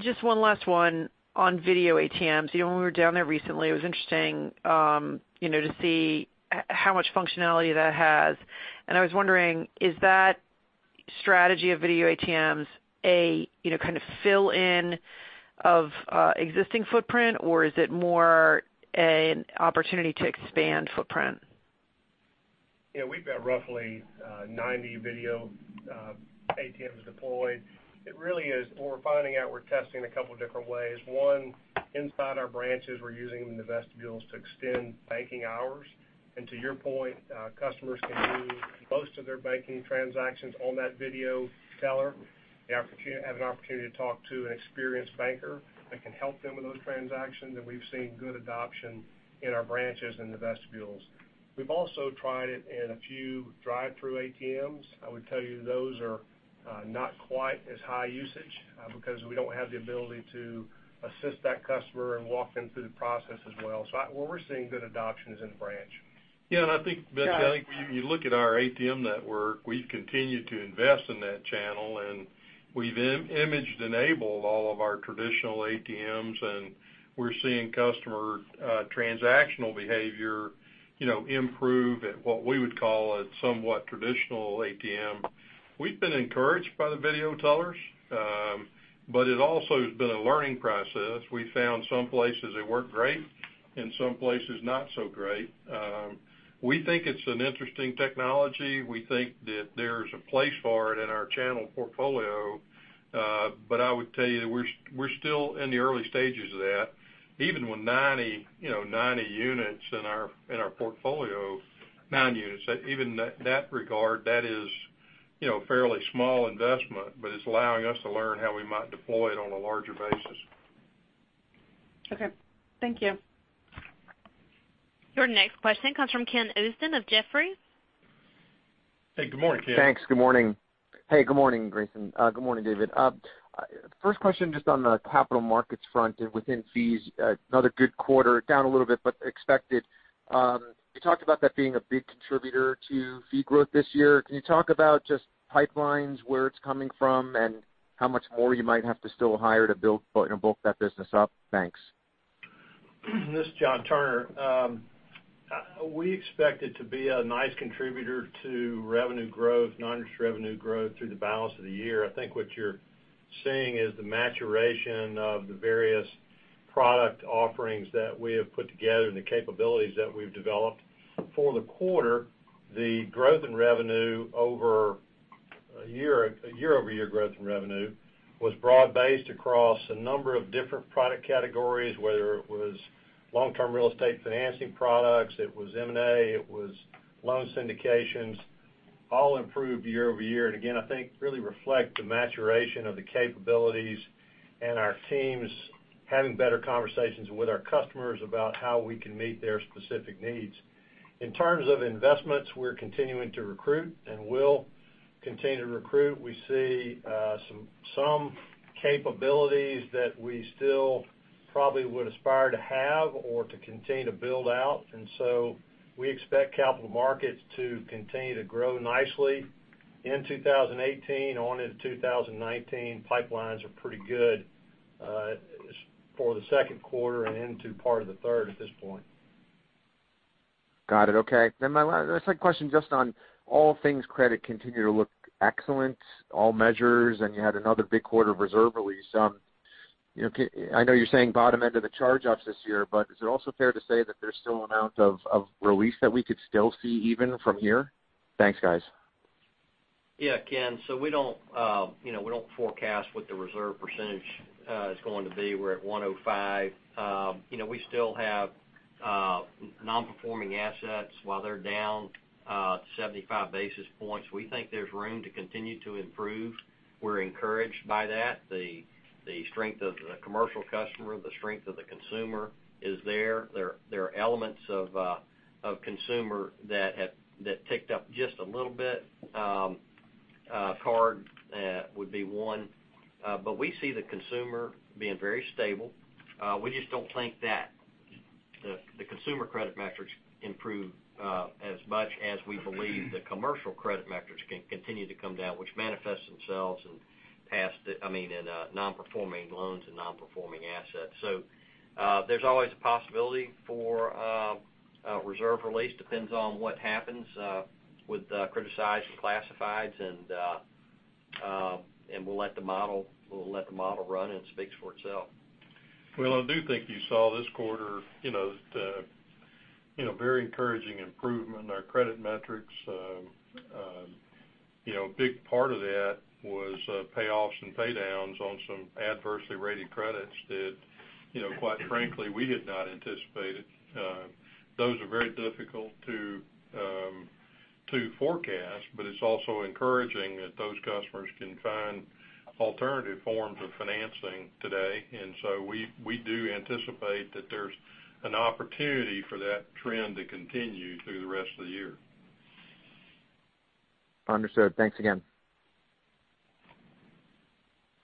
Just one last one on video ATMs. When we were down there recently, it was interesting to see how much functionality that has. I was wondering, is that strategy of video ATMs a kind of fill-in of existing footprint, or is it more an opportunity to expand footprint? We've got roughly 90 video ATMs deployed. It really is, what we're finding out, we're testing a couple different ways. One, inside our branches, we're using them in the vestibules to extend banking hours. To your point, customers can do most of their banking transactions on that video teller. They have an opportunity to talk to an experienced banker that can help them with those transactions, and we've seen good adoption in our branches in the vestibules. We've also tried it in a few drive-through ATMs. I would tell you those are not quite as high usage because we don't have the ability to assist that customer and walk them through the process as well. Where we're seeing good adoption is in the branch. I think, Betsy, you look at our ATM network, we've continued to invest in that channel, and we've image-enabled all of our traditional ATMs, and we're seeing customer transactional behavior improve at what we would call a somewhat traditional ATM. We've been encouraged by the video tellers. It also has been a learning process. We found some places it worked great and some places not so great. We think it's an interesting technology. We think that there's a place for it in our channel portfolio. I would tell you, we're still in the early stages of that. Even with 90 units in our portfolio, even in that regard, that is fairly small investment, but it's allowing us to learn how we might deploy it on a larger basis. Okay. Thank you. Your next question comes from Ken Usdin of Jefferies. Hey, good morning, Ken. Thanks. Good morning. Hey, good morning, Grayson. Good morning, David. First question just on the capital markets front and within fees, another good quarter, down a little bit, but expected. You talked about that being a big contributor to fee growth this year. Can you talk about just pipelines, where it's coming from, and how much more you might have to still hire to bulk that business up? Thanks. This is John Turner. We expect it to be a nice contributor to non-interest revenue growth through the balance of the year. I think what you're seeing is the maturation of the various product offerings that we have put together and the capabilities that we've developed. For the quarter, the year-over-year growth in revenue was broad-based across a number of different product categories, whether it was long-term real estate financing products, it was M&A, it was loan syndications, all improved year-over-year. Again, I think really reflect the maturation of the capabilities and our teams having better conversations with our customers about how we can meet their specific needs. In terms of investments, we're continuing to recruit and will continue to recruit. We see some capabilities that we still probably would aspire to have or to continue to build out. We expect capital markets to continue to grow nicely in 2018 on into 2019. Pipelines are pretty good for the second quarter and into part of the third at this point. Got it. Okay. My second question just on all things credit continue to look excellent, all measures, and you had another big quarter of reserve release. I know you're saying bottom end of the charge-offs this year, but is it also fair to say that there's still amount of release that we could still see even from here? Thanks, guys. Yeah, Ken. We don't forecast what the reserve percentage is going to be. We're at 105. We still have non-performing assets. While they're down 75 basis points, we think there's room to continue to improve. We're encouraged by that. The strength of the commercial customer, the strength of the consumer is there. There are elements of consumer that ticked up just a little bit. Card would be one. We see the consumer being very stable. We just don't think that the consumer credit metrics improve as much as we believe the commercial credit metrics can continue to come down, which manifests themselves in non-performing loans and non-performing assets. There's always a possibility for reserve release. Depends on what happens with criticized and classifieds, and we'll let the model run. It speaks for itself. Well, I do think you saw this quarter, very encouraging improvement in our credit metrics. A big part of that was payoffs and paydowns on some adversely rated credits that, quite frankly, we had not anticipated. Those are very difficult to forecast, but it's also encouraging that those customers can find alternative forms of financing today. We do anticipate that there's an opportunity for that trend to continue through the rest of the year. Understood. Thanks again.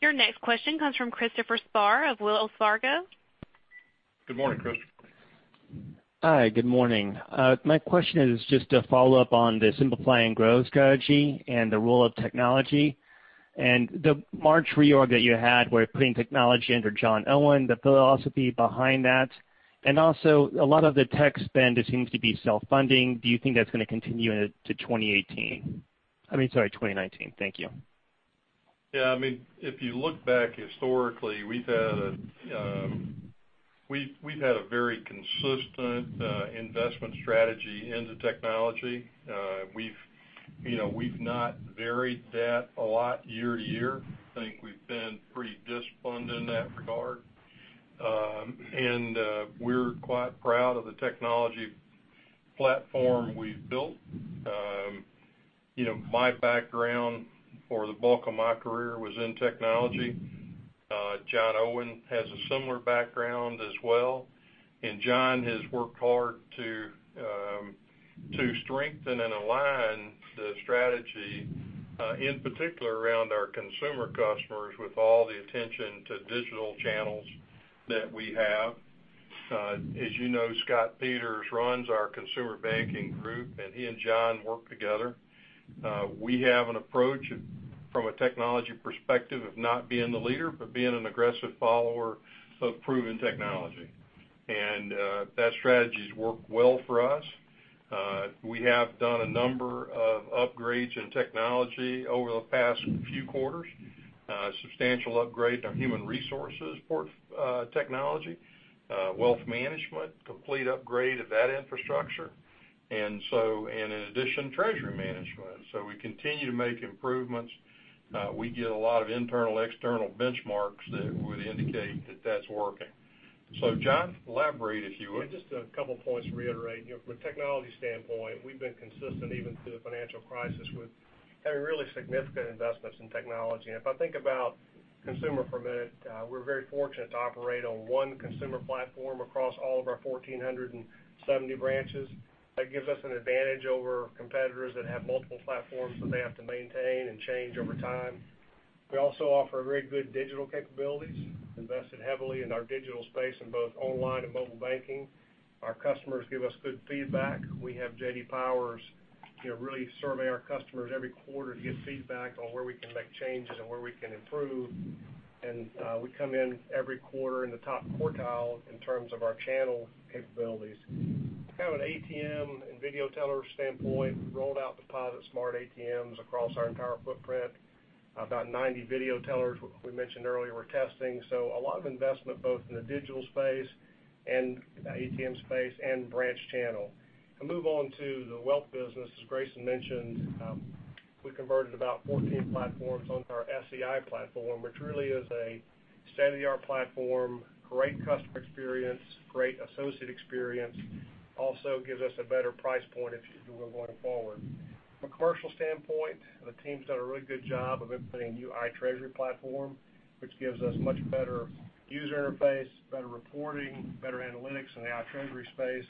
Your next question comes from Christopher Spahr of Wells Fargo. Good morning, Christopher. Hi, good morning. My question is just a follow-up on the Simplify and Grow strategy and the role of technology. The March reorg that you had, where putting technology under John Owen, the philosophy behind that. Also, a lot of the tech spend, it seems to be self-funding. Do you think that's going to continue into 2018? I mean, sorry, 2019. Thank you. Yeah. If you look back historically, we've had a very consistent investment strategy into technology. We've not varied that a lot year to year. I think we've been pretty disciplined in that regard. We're quite proud of the technology platform we've built. My background for the bulk of my career was in technology. John Owen has a similar background as well, John has worked hard to strengthen and align strategy, in particular around our consumer customers with all the attention to digital channels that we have. As you know, Scott Peters runs our Consumer Banking Group, he and John work together. We have an approach from a technology perspective of not being the leader, but being an aggressive follower of proven technology. That strategy's worked well for us. We have done a number of upgrades in technology over the past few quarters, a substantial upgrade to our human resources technology. Wealth Management, complete upgrade of that infrastructure. In addition, treasury management. We continue to make improvements. We get a lot of internal, external benchmarks that would indicate that that's working. John, elaborate, if you would. Yeah, just a couple points to reiterate. From a technology standpoint, we've been consistent even through the financial crisis with having really significant investments in technology. If I think about consumer for a minute, we're very fortunate to operate on one consumer platform across all of our 1,470 branches. That gives us an advantage over competitors that have multiple platforms that they have to maintain and change over time. We also offer very good digital capabilities. Invested heavily in our digital space in both online and mobile banking. Our customers give us good feedback. We have J.D. Power really survey our customers every quarter to get feedback on where we can make changes and where we can improve. We come in every quarter in the top quartile in terms of our channel capabilities. From an ATM and video teller standpoint, we rolled out DepositSmart ATMs across our entire footprint. About 90 video tellers, we mentioned earlier, we're testing. A lot of investment both in the digital space and the ATM space and branch channel. I move on to the wealth business. As Grayson mentioned, we converted about 14 platforms onto our SEI platform, which really is a state-of-the-art platform, great customer experience, great associate experience. Also gives us a better price point going forward. From a commercial standpoint, the team's done a really good job of implementing a new iTreasury platform, which gives us much better user interface, better reporting, better analytics in the iTreasury space,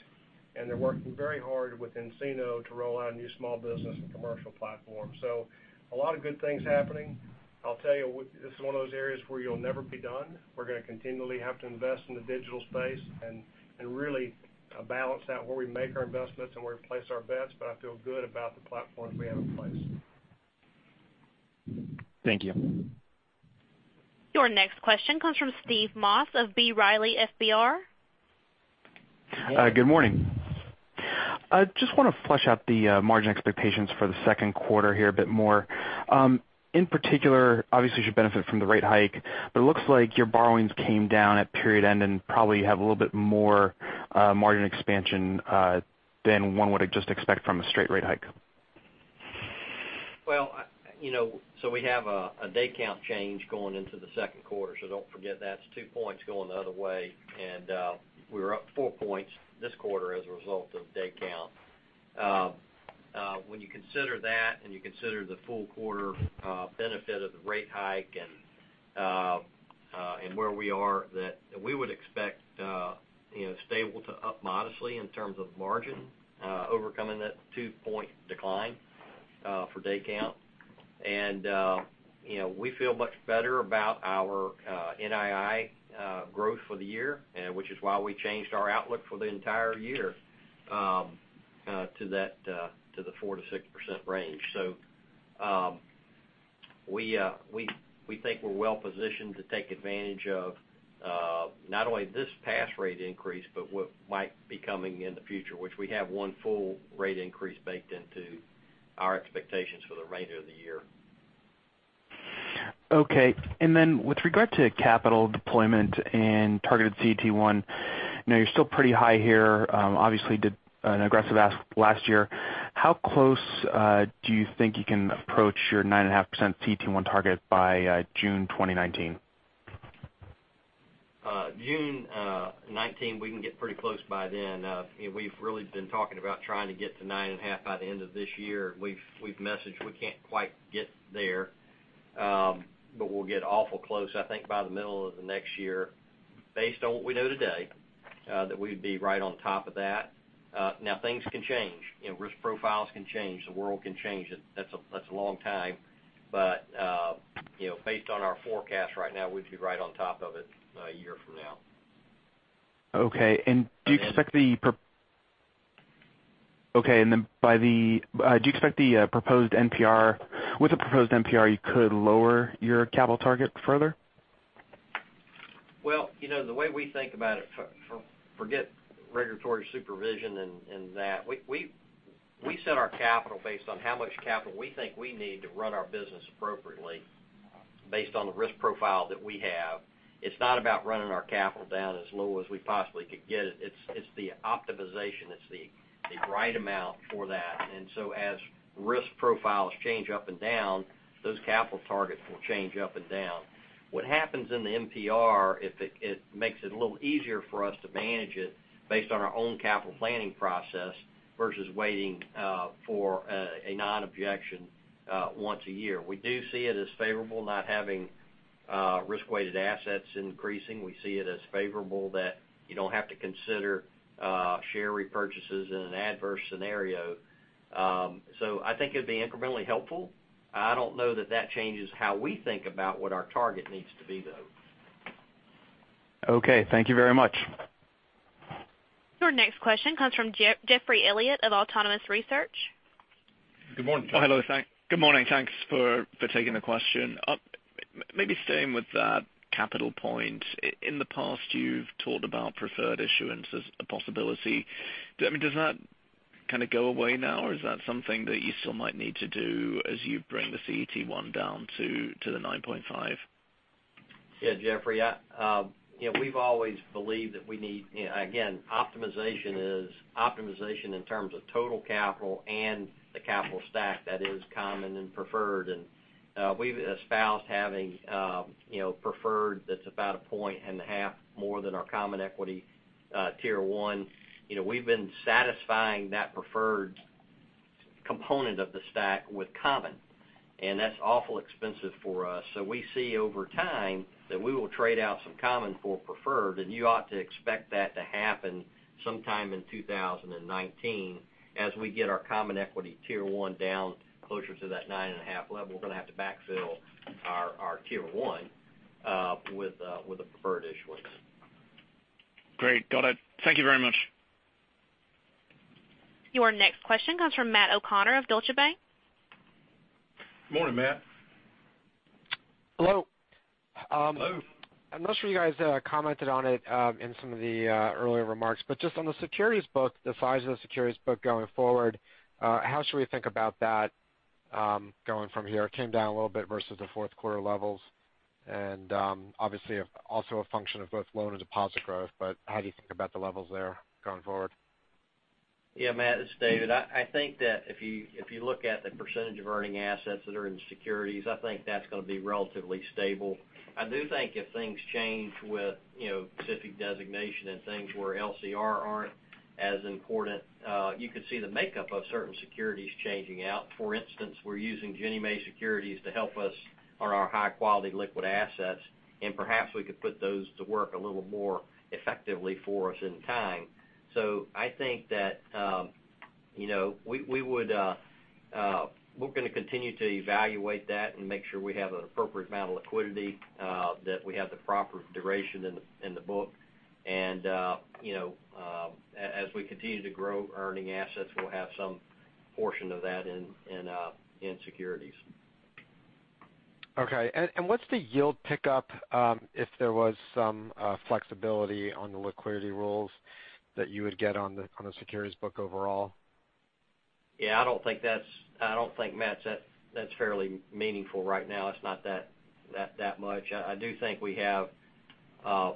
and they're working very hard with nCino to roll out a new small business and commercial platform. A lot of good things happening. I'll tell you, this is one of those areas where you'll never be done. We're going to continually have to invest in the digital space and really balance out where we make our investments and where we place our bets, but I feel good about the platforms we have in place. Thank you. Your next question comes from Steve Moss of B. Riley FBR. Good morning. Just want to flesh out the margin expectations for the second quarter here a bit more. In particular, obviously, you should benefit from the rate hike, but it looks like your borrowings came down at period end and probably you have a little bit more margin expansion than one would just expect from a straight rate hike. We have a day count change going into the second quarter. Do not forget that. It is two points going the other way, and we were up four points this quarter as a result of day count. When you consider that and you consider the full quarter benefit of the rate hike and where we are, that we would expect stable to up modestly in terms of margin overcoming that two-point decline for day count. We feel much better about our NII growth for the year, which is why we changed our outlook for the entire year to the 4%-6% range. We think we are well positioned to take advantage of not only this past rate increase, but what might be coming in the future, which we have one full rate increase baked into our expectations for the remainder of the year. Okay. With regard to capital deployment and targeted CET1, you are still pretty high here. Obviously did an aggressive ask last year. How close do you think you can approach your 9.5% CET1 target by June 2019? June 2019, we can get pretty close by then. We have really been talking about trying to get to 9.5 by the end of this year. We have messaged we cannot quite get there, but we will get awful close, I think, by the middle of the next year. Based on what we know today, that we would be right on top of that. Things can change. Risk profiles can change, the world can change. That is a long time. Based on our forecast right now, we would be right on top of it one year from now. Okay. Do you expect the proposed NPR, with the proposed NPR, you could lower your capital target further? Well, the way we think about it, forget regulatory supervision and that. We set our capital based on how much capital we think we need to run our business appropriately based on the risk profile that we have. It's not about running our capital down as low as we possibly could get it. It's the optimization. It's the right amount for that. As risk profiles change up and down, those capital targets will change up and down. What happens in the NPR, it makes it a little easier for us to manage it based on our own capital planning process versus waiting for a non-objection Once a year. We do see it as favorable, not having risk-weighted assets increasing. We see it as favorable that you don't have to consider share repurchases in an adverse scenario. I think it'd be incrementally helpful. I don't know that that changes how we think about what our target needs to be, though. Okay, thank you very much. Your next question comes from Geoffrey Elliott of Autonomous Research. Good morning, Jeff. Hello. Good morning. Thanks for taking the question. Maybe staying with that capital point. In the past, you've talked about preferred issuance as a possibility. Does that kind of go away now, or is that something that you still might need to do as you bring the CET1 down to the 9.5? Yeah, Geoffrey, we've always believed that we need again, optimization in terms of total capital and the capital stack that is common and preferred. We've espoused having preferred that's about a point and a half more than our Common Equity Tier 1. We've been satisfying that preferred component of the stack with common, and that's awful expensive for us. We see over time that we will trade out some common for preferred, and you ought to expect that to happen sometime in 2019 as we get our Common Equity Tier 1 down closer to that 9.5 level. We're going to have to backfill our Tier 1 with a preferred issuance. Great. Got it. Thank you very much. Your next question comes from Matthew O'Connor of Deutsche Bank. Morning, Matt. Hello. Hello. I'm not sure you guys commented on it in some of the earlier remarks, just on the securities book, the size of the securities book going forward, how should we think about that going from here? It came down a little bit versus the fourth quarter levels, obviously, also a function of both loan and deposit growth, how do you think about the levels there going forward? Matt, it's David. I think that if you look at the percentage of earning assets that are in securities, I think that's going to be relatively stable. I do think if things change with specific designation and things where LCR aren't as important, you could see the makeup of certain securities changing out. For instance, we're using Ginnie Mae securities to help us on our high-quality liquid assets, and perhaps we could put those to work a little more effectively for us in time. I think that we're going to continue to evaluate that and make sure we have an appropriate amount of liquidity, that we have the proper duration in the book. As we continue to grow earning assets, we'll have some portion of that in securities. Okay. What's the yield pickup, if there was some flexibility on the liquidity rules that you would get on the securities book overall? Yeah, I don't think, Matt, that's fairly meaningful right now. It's not that much. I do think we have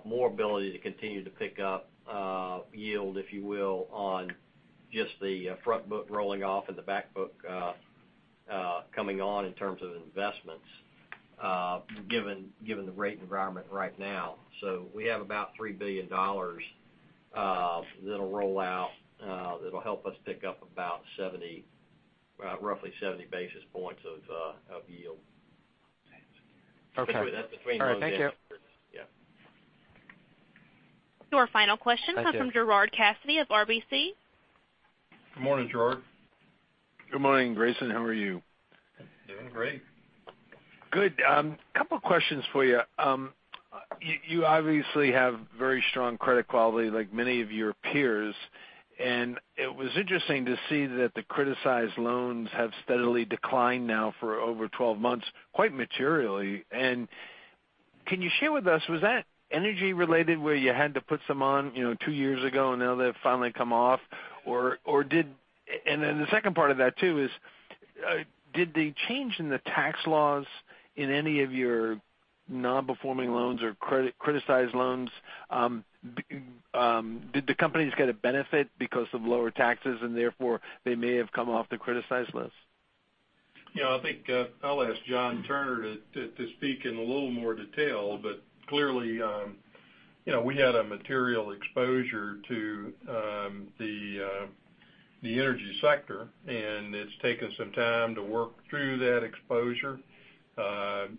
more ability to continue to pick up yield, if you will, on just the front book rolling off and the back book coming on in terms of investments, given the rate environment right now. We have about $3 billion that'll roll out, that'll help us pick up about roughly 70 basis points of yield. Okay. All right, thank you. Yeah. Your final question comes from Gerard Cassidy of RBC. Good morning, Gerard. Good morning, Grayson. How are you? Doing great. Good. Couple questions for you. You obviously have very strong credit quality like many of your peers, and it was interesting to see that the criticized loans have steadily declined now for over 12 months, quite materially. Can you share with us, was that energy related where you had to put some on two years ago and now they've finally come off? The second part of that too is, did the change in the tax laws in any of your non-performing loans or criticized loans, did the companies get a benefit because of lower taxes and therefore they may have come off the criticized list? I think I'll ask John Turner to speak in a little more detail, but clearly, we had a material exposure to the energy sector, and it's taken some time to work through that exposure.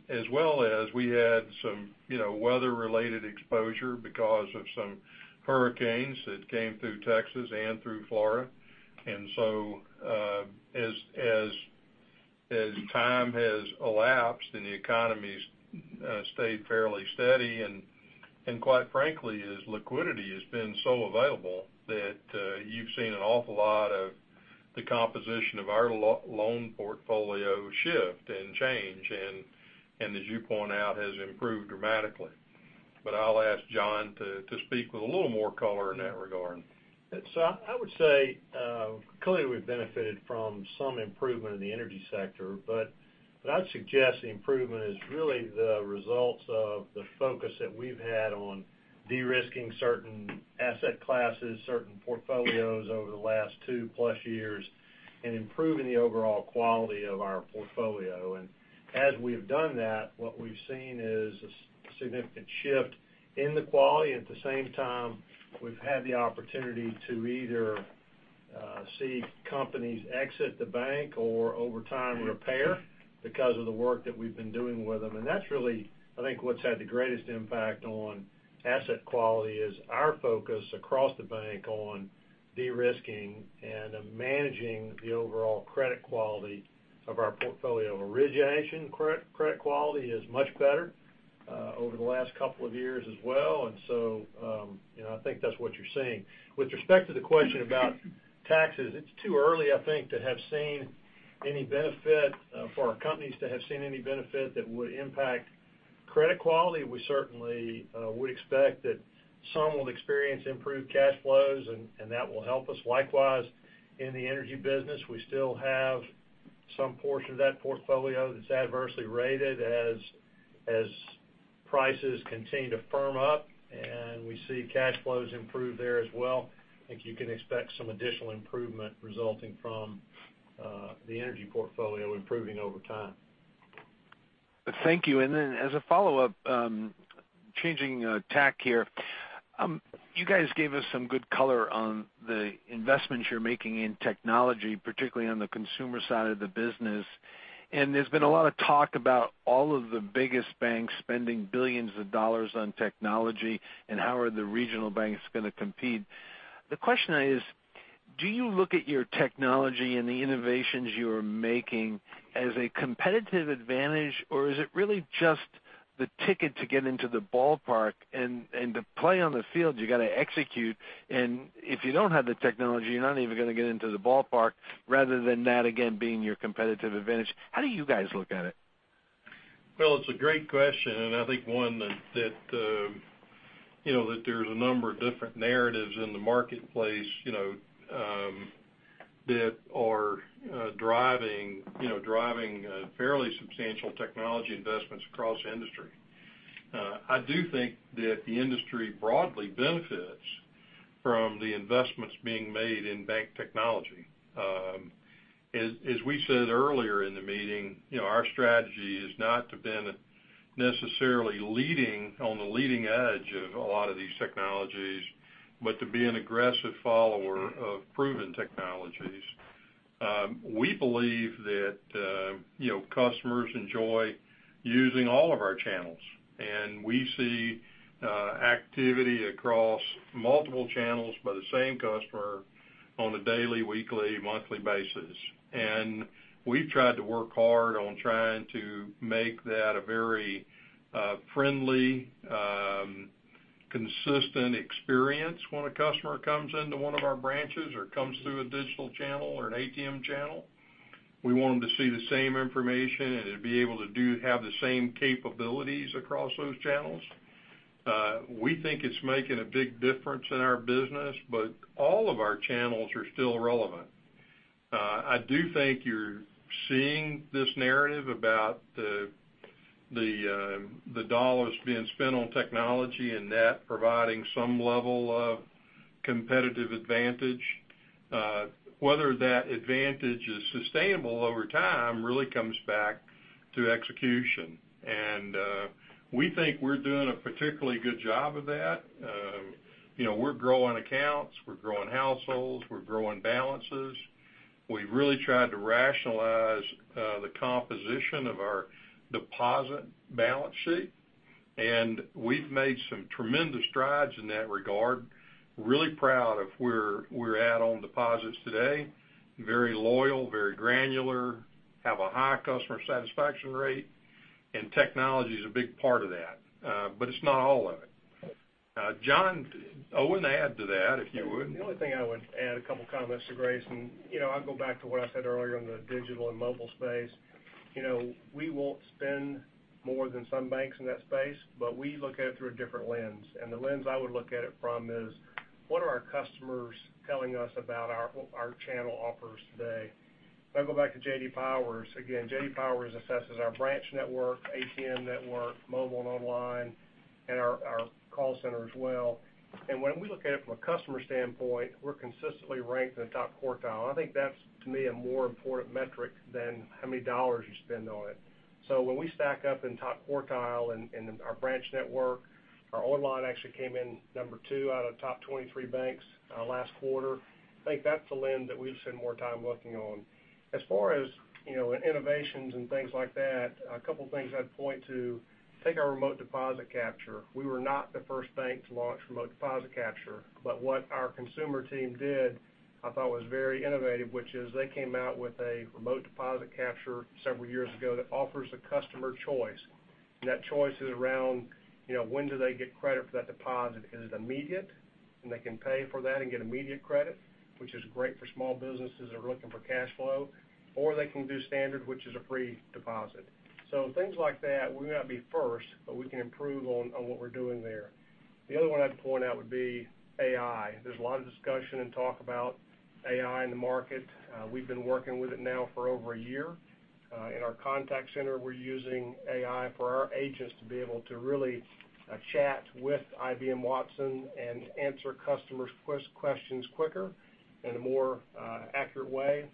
As well as we had some weather-related exposure because of some hurricanes that came through Texas and through Florida. As time has elapsed and the economy's stayed fairly steady, and quite frankly, as liquidity has been so available that you've seen an awful lot of the composition of our loan portfolio shift and change and, as you point out, has improved dramatically. I'll ask John to speak with a little more color in that regard. I would say, clearly, we've benefited from some improvement in the energy sector, but I'd suggest the improvement is really the results of the focus that we've had on de-risking certain asset classes, certain portfolios over the last two plus years, and improving the overall quality of our portfolio. As we have done that, what we've seen is a significant shift in the quality. At the same time, we've had the opportunity to either see companies exit the bank or over time, repair because of the work that we've been doing with them. That's really, I think, what's had the greatest impact on asset quality, is our focus across the bank on de-risking and managing the overall credit quality of our portfolio. Origination credit quality is much better over the last couple of years as well. I think that's what you're seeing. With respect to the question about taxes, it's too early, I think, for our companies to have seen any benefit that would impact credit quality. We certainly would expect that some will experience improved cash flows, and that will help us. Likewise, in the energy business, we still have some portion of that portfolio that's adversely rated as prices continue to firm up, and we see cash flows improve there as well. I think you can expect some additional improvement resulting from the energy portfolio improving over time. Thank you. As a follow-up, changing tack here. You guys gave us some good color on the investments you're making in technology, particularly on the consumer side of the business. There's been a lot of talk about all of the biggest banks spending $billions on technology, and how are the regional banks going to compete. The question is: do you look at your technology and the innovations you are making as a competitive advantage, or is it really just the ticket to get into the ballpark, and to play on the field, you got to execute, and if you don't have the technology, you're not even going to get into the ballpark, rather than that again being your competitive advantage. How do you guys look at it? Well, it's a great question, I think one that there's a number of different narratives in the marketplace, that are driving fairly substantial technology investments across the industry. I do think that the industry broadly benefits from the investments being made in bank technology. As we said earlier in the meeting, our strategy has not been necessarily leading on the leading edge of a lot of these technologies, but to be an aggressive follower of proven technologies. We believe that customers enjoy using all of our channels, we see activity across multiple channels by the same customer on a daily, weekly, monthly basis. We've tried to work hard on trying to make that a very friendly, consistent experience when a customer comes into one of our branches or comes through a digital channel or an ATM channel. We want them to see the same information and to be able to have the same capabilities across those channels. We think it's making a big difference in our business, but all of our channels are still relevant. I do think you're seeing this narrative about the dollars being spent on technology and that providing some level of competitive advantage. Whether that advantage is sustainable over time really comes back to execution. We think we're doing a particularly good job of that. We're growing accounts, we're growing households, we're growing balances. We've really tried to rationalize the composition of our deposit balance sheet, and we've made some tremendous strides in that regard. Really proud of where we're at on deposits today. Very loyal, very granular, have a high customer satisfaction rate, and technology is a big part of that. It's not all of it. John, I would add to that, if you would. The only thing I would add, a couple comments to Grayson, I'll go back to what I said earlier on the digital and mobile space. We won't spend more than some banks in that space, we look at it through a different lens. The lens I would look at it from is: what are our customers telling us about our channel offers today? If I go back to J.D. Power, again, J.D. Power assesses our branch network, ATM network, mobile and online, and our call center as well. When we look at it from a customer standpoint, we're consistently ranked in the top quartile. I think that's, to me, a more important metric than how many dollars you spend on it. When we stack up in top quartile in our branch network, our online actually came in number 2 out of top 23 banks last quarter. I think that's a lens that we'd spend more time looking on. As far as innovations and things like that, a couple things I'd point to. Take our remote deposit capture. We were not the first bank to launch remote deposit capture. What our consumer team did, I thought, was very innovative, which is they came out with a remote deposit capture several years ago that offers the customer choice. That choice is around when do they get credit for that deposit? Is it immediate, and they can pay for that and get immediate credit, which is great for small businesses that are looking for cash flow. They can do standard, which is a free deposit. Things like that, we may not be first, we can improve on what we're doing there. The other one I'd point out would be AI. There's a lot of discussion and talk about AI in the market. We've been working with it now for over a year. In our contact center, we're using AI for our agents to be able to really chat with IBM Watson and answer customers' questions quicker in a more accurate way.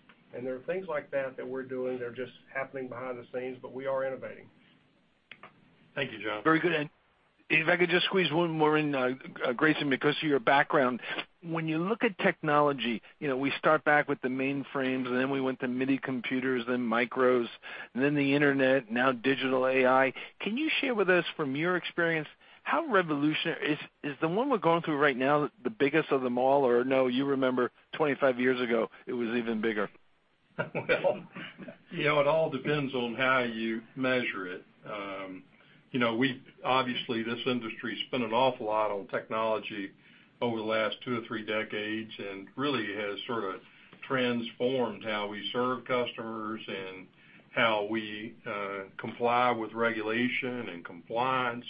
There are things like that that we're doing that are just happening behind the scenes, we are innovating. Thank you, John. Very good. If I could just squeeze one more in, Grayson, because of your background. When you look at technology, we start back with the mainframes, then we went to minicomputers, then micros, then the internet, now digital AI. Can you share with us from your experience, is the one we're going through right now the biggest of them all? Or no, you remember 25 years ago, it was even bigger? Well, it all depends on how you measure it. Obviously, this industry spent an awful lot on technology over the last two to three decades, really has sort of transformed how we serve customers and how we comply with regulation and compliance,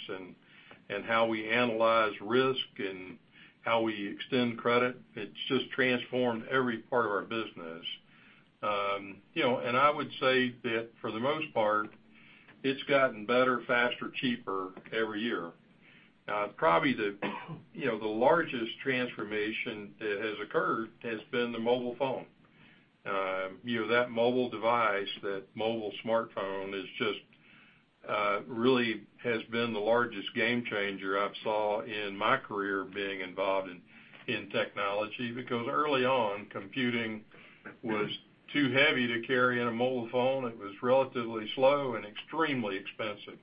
how we analyze risk and how we extend credit. It's just transformed every part of our business. I would say that for the most part, it's gotten better, faster, cheaper every year. Probably the largest transformation that has occurred has been the mobile phone. That mobile device, that mobile smartphone, really has been the largest game changer I've saw in my career being involved in technology. Early on, computing was too heavy to carry in a mobile phone. It was relatively slow and extremely expensive.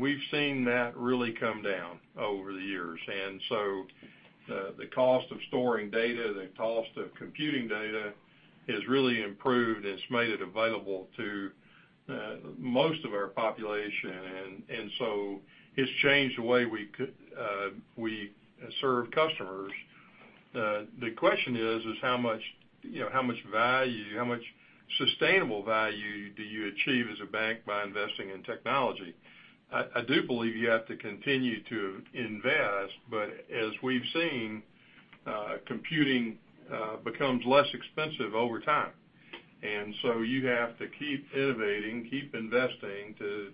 We've seen that really come down over the years. The cost of storing data, the cost of computing data, has really improved, and it's made it available to most of our population. It's changed the way we serve customers. The question is, how much sustainable value do you achieve as a bank by investing in technology? I do believe you have to continue to invest. As we've seen, computing becomes less expensive over time. You have to keep innovating, keep investing to,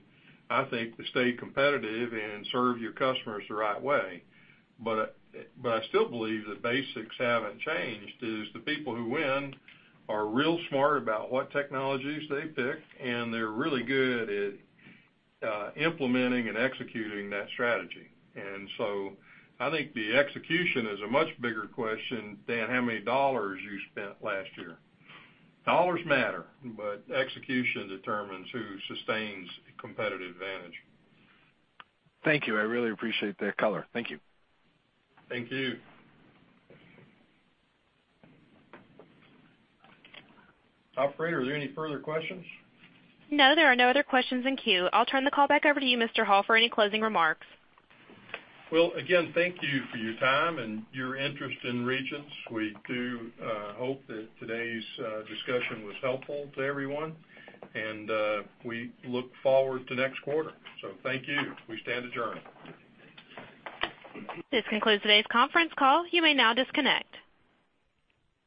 I think, stay competitive and serve your customers the right way. I still believe the basics haven't changed, is the people who win are real smart about what technologies they pick, and they're really good at implementing and executing that strategy. I think the execution is a much bigger question than how many dollars you spent last year. Dollars matter, but execution determines who sustains a competitive advantage. Thank you. I really appreciate the color. Thank you. Thank you. Operator, are there any further questions? No, there are no other questions in queue. I'll turn the call back over to you, Mr. Hall, for any closing remarks. Well, again, thank you for your time and your interest in Regions. We do hope that today's discussion was helpful to everyone, and we look forward to next quarter. Thank you. We stand adjourned. This concludes today's conference call. You may now disconnect.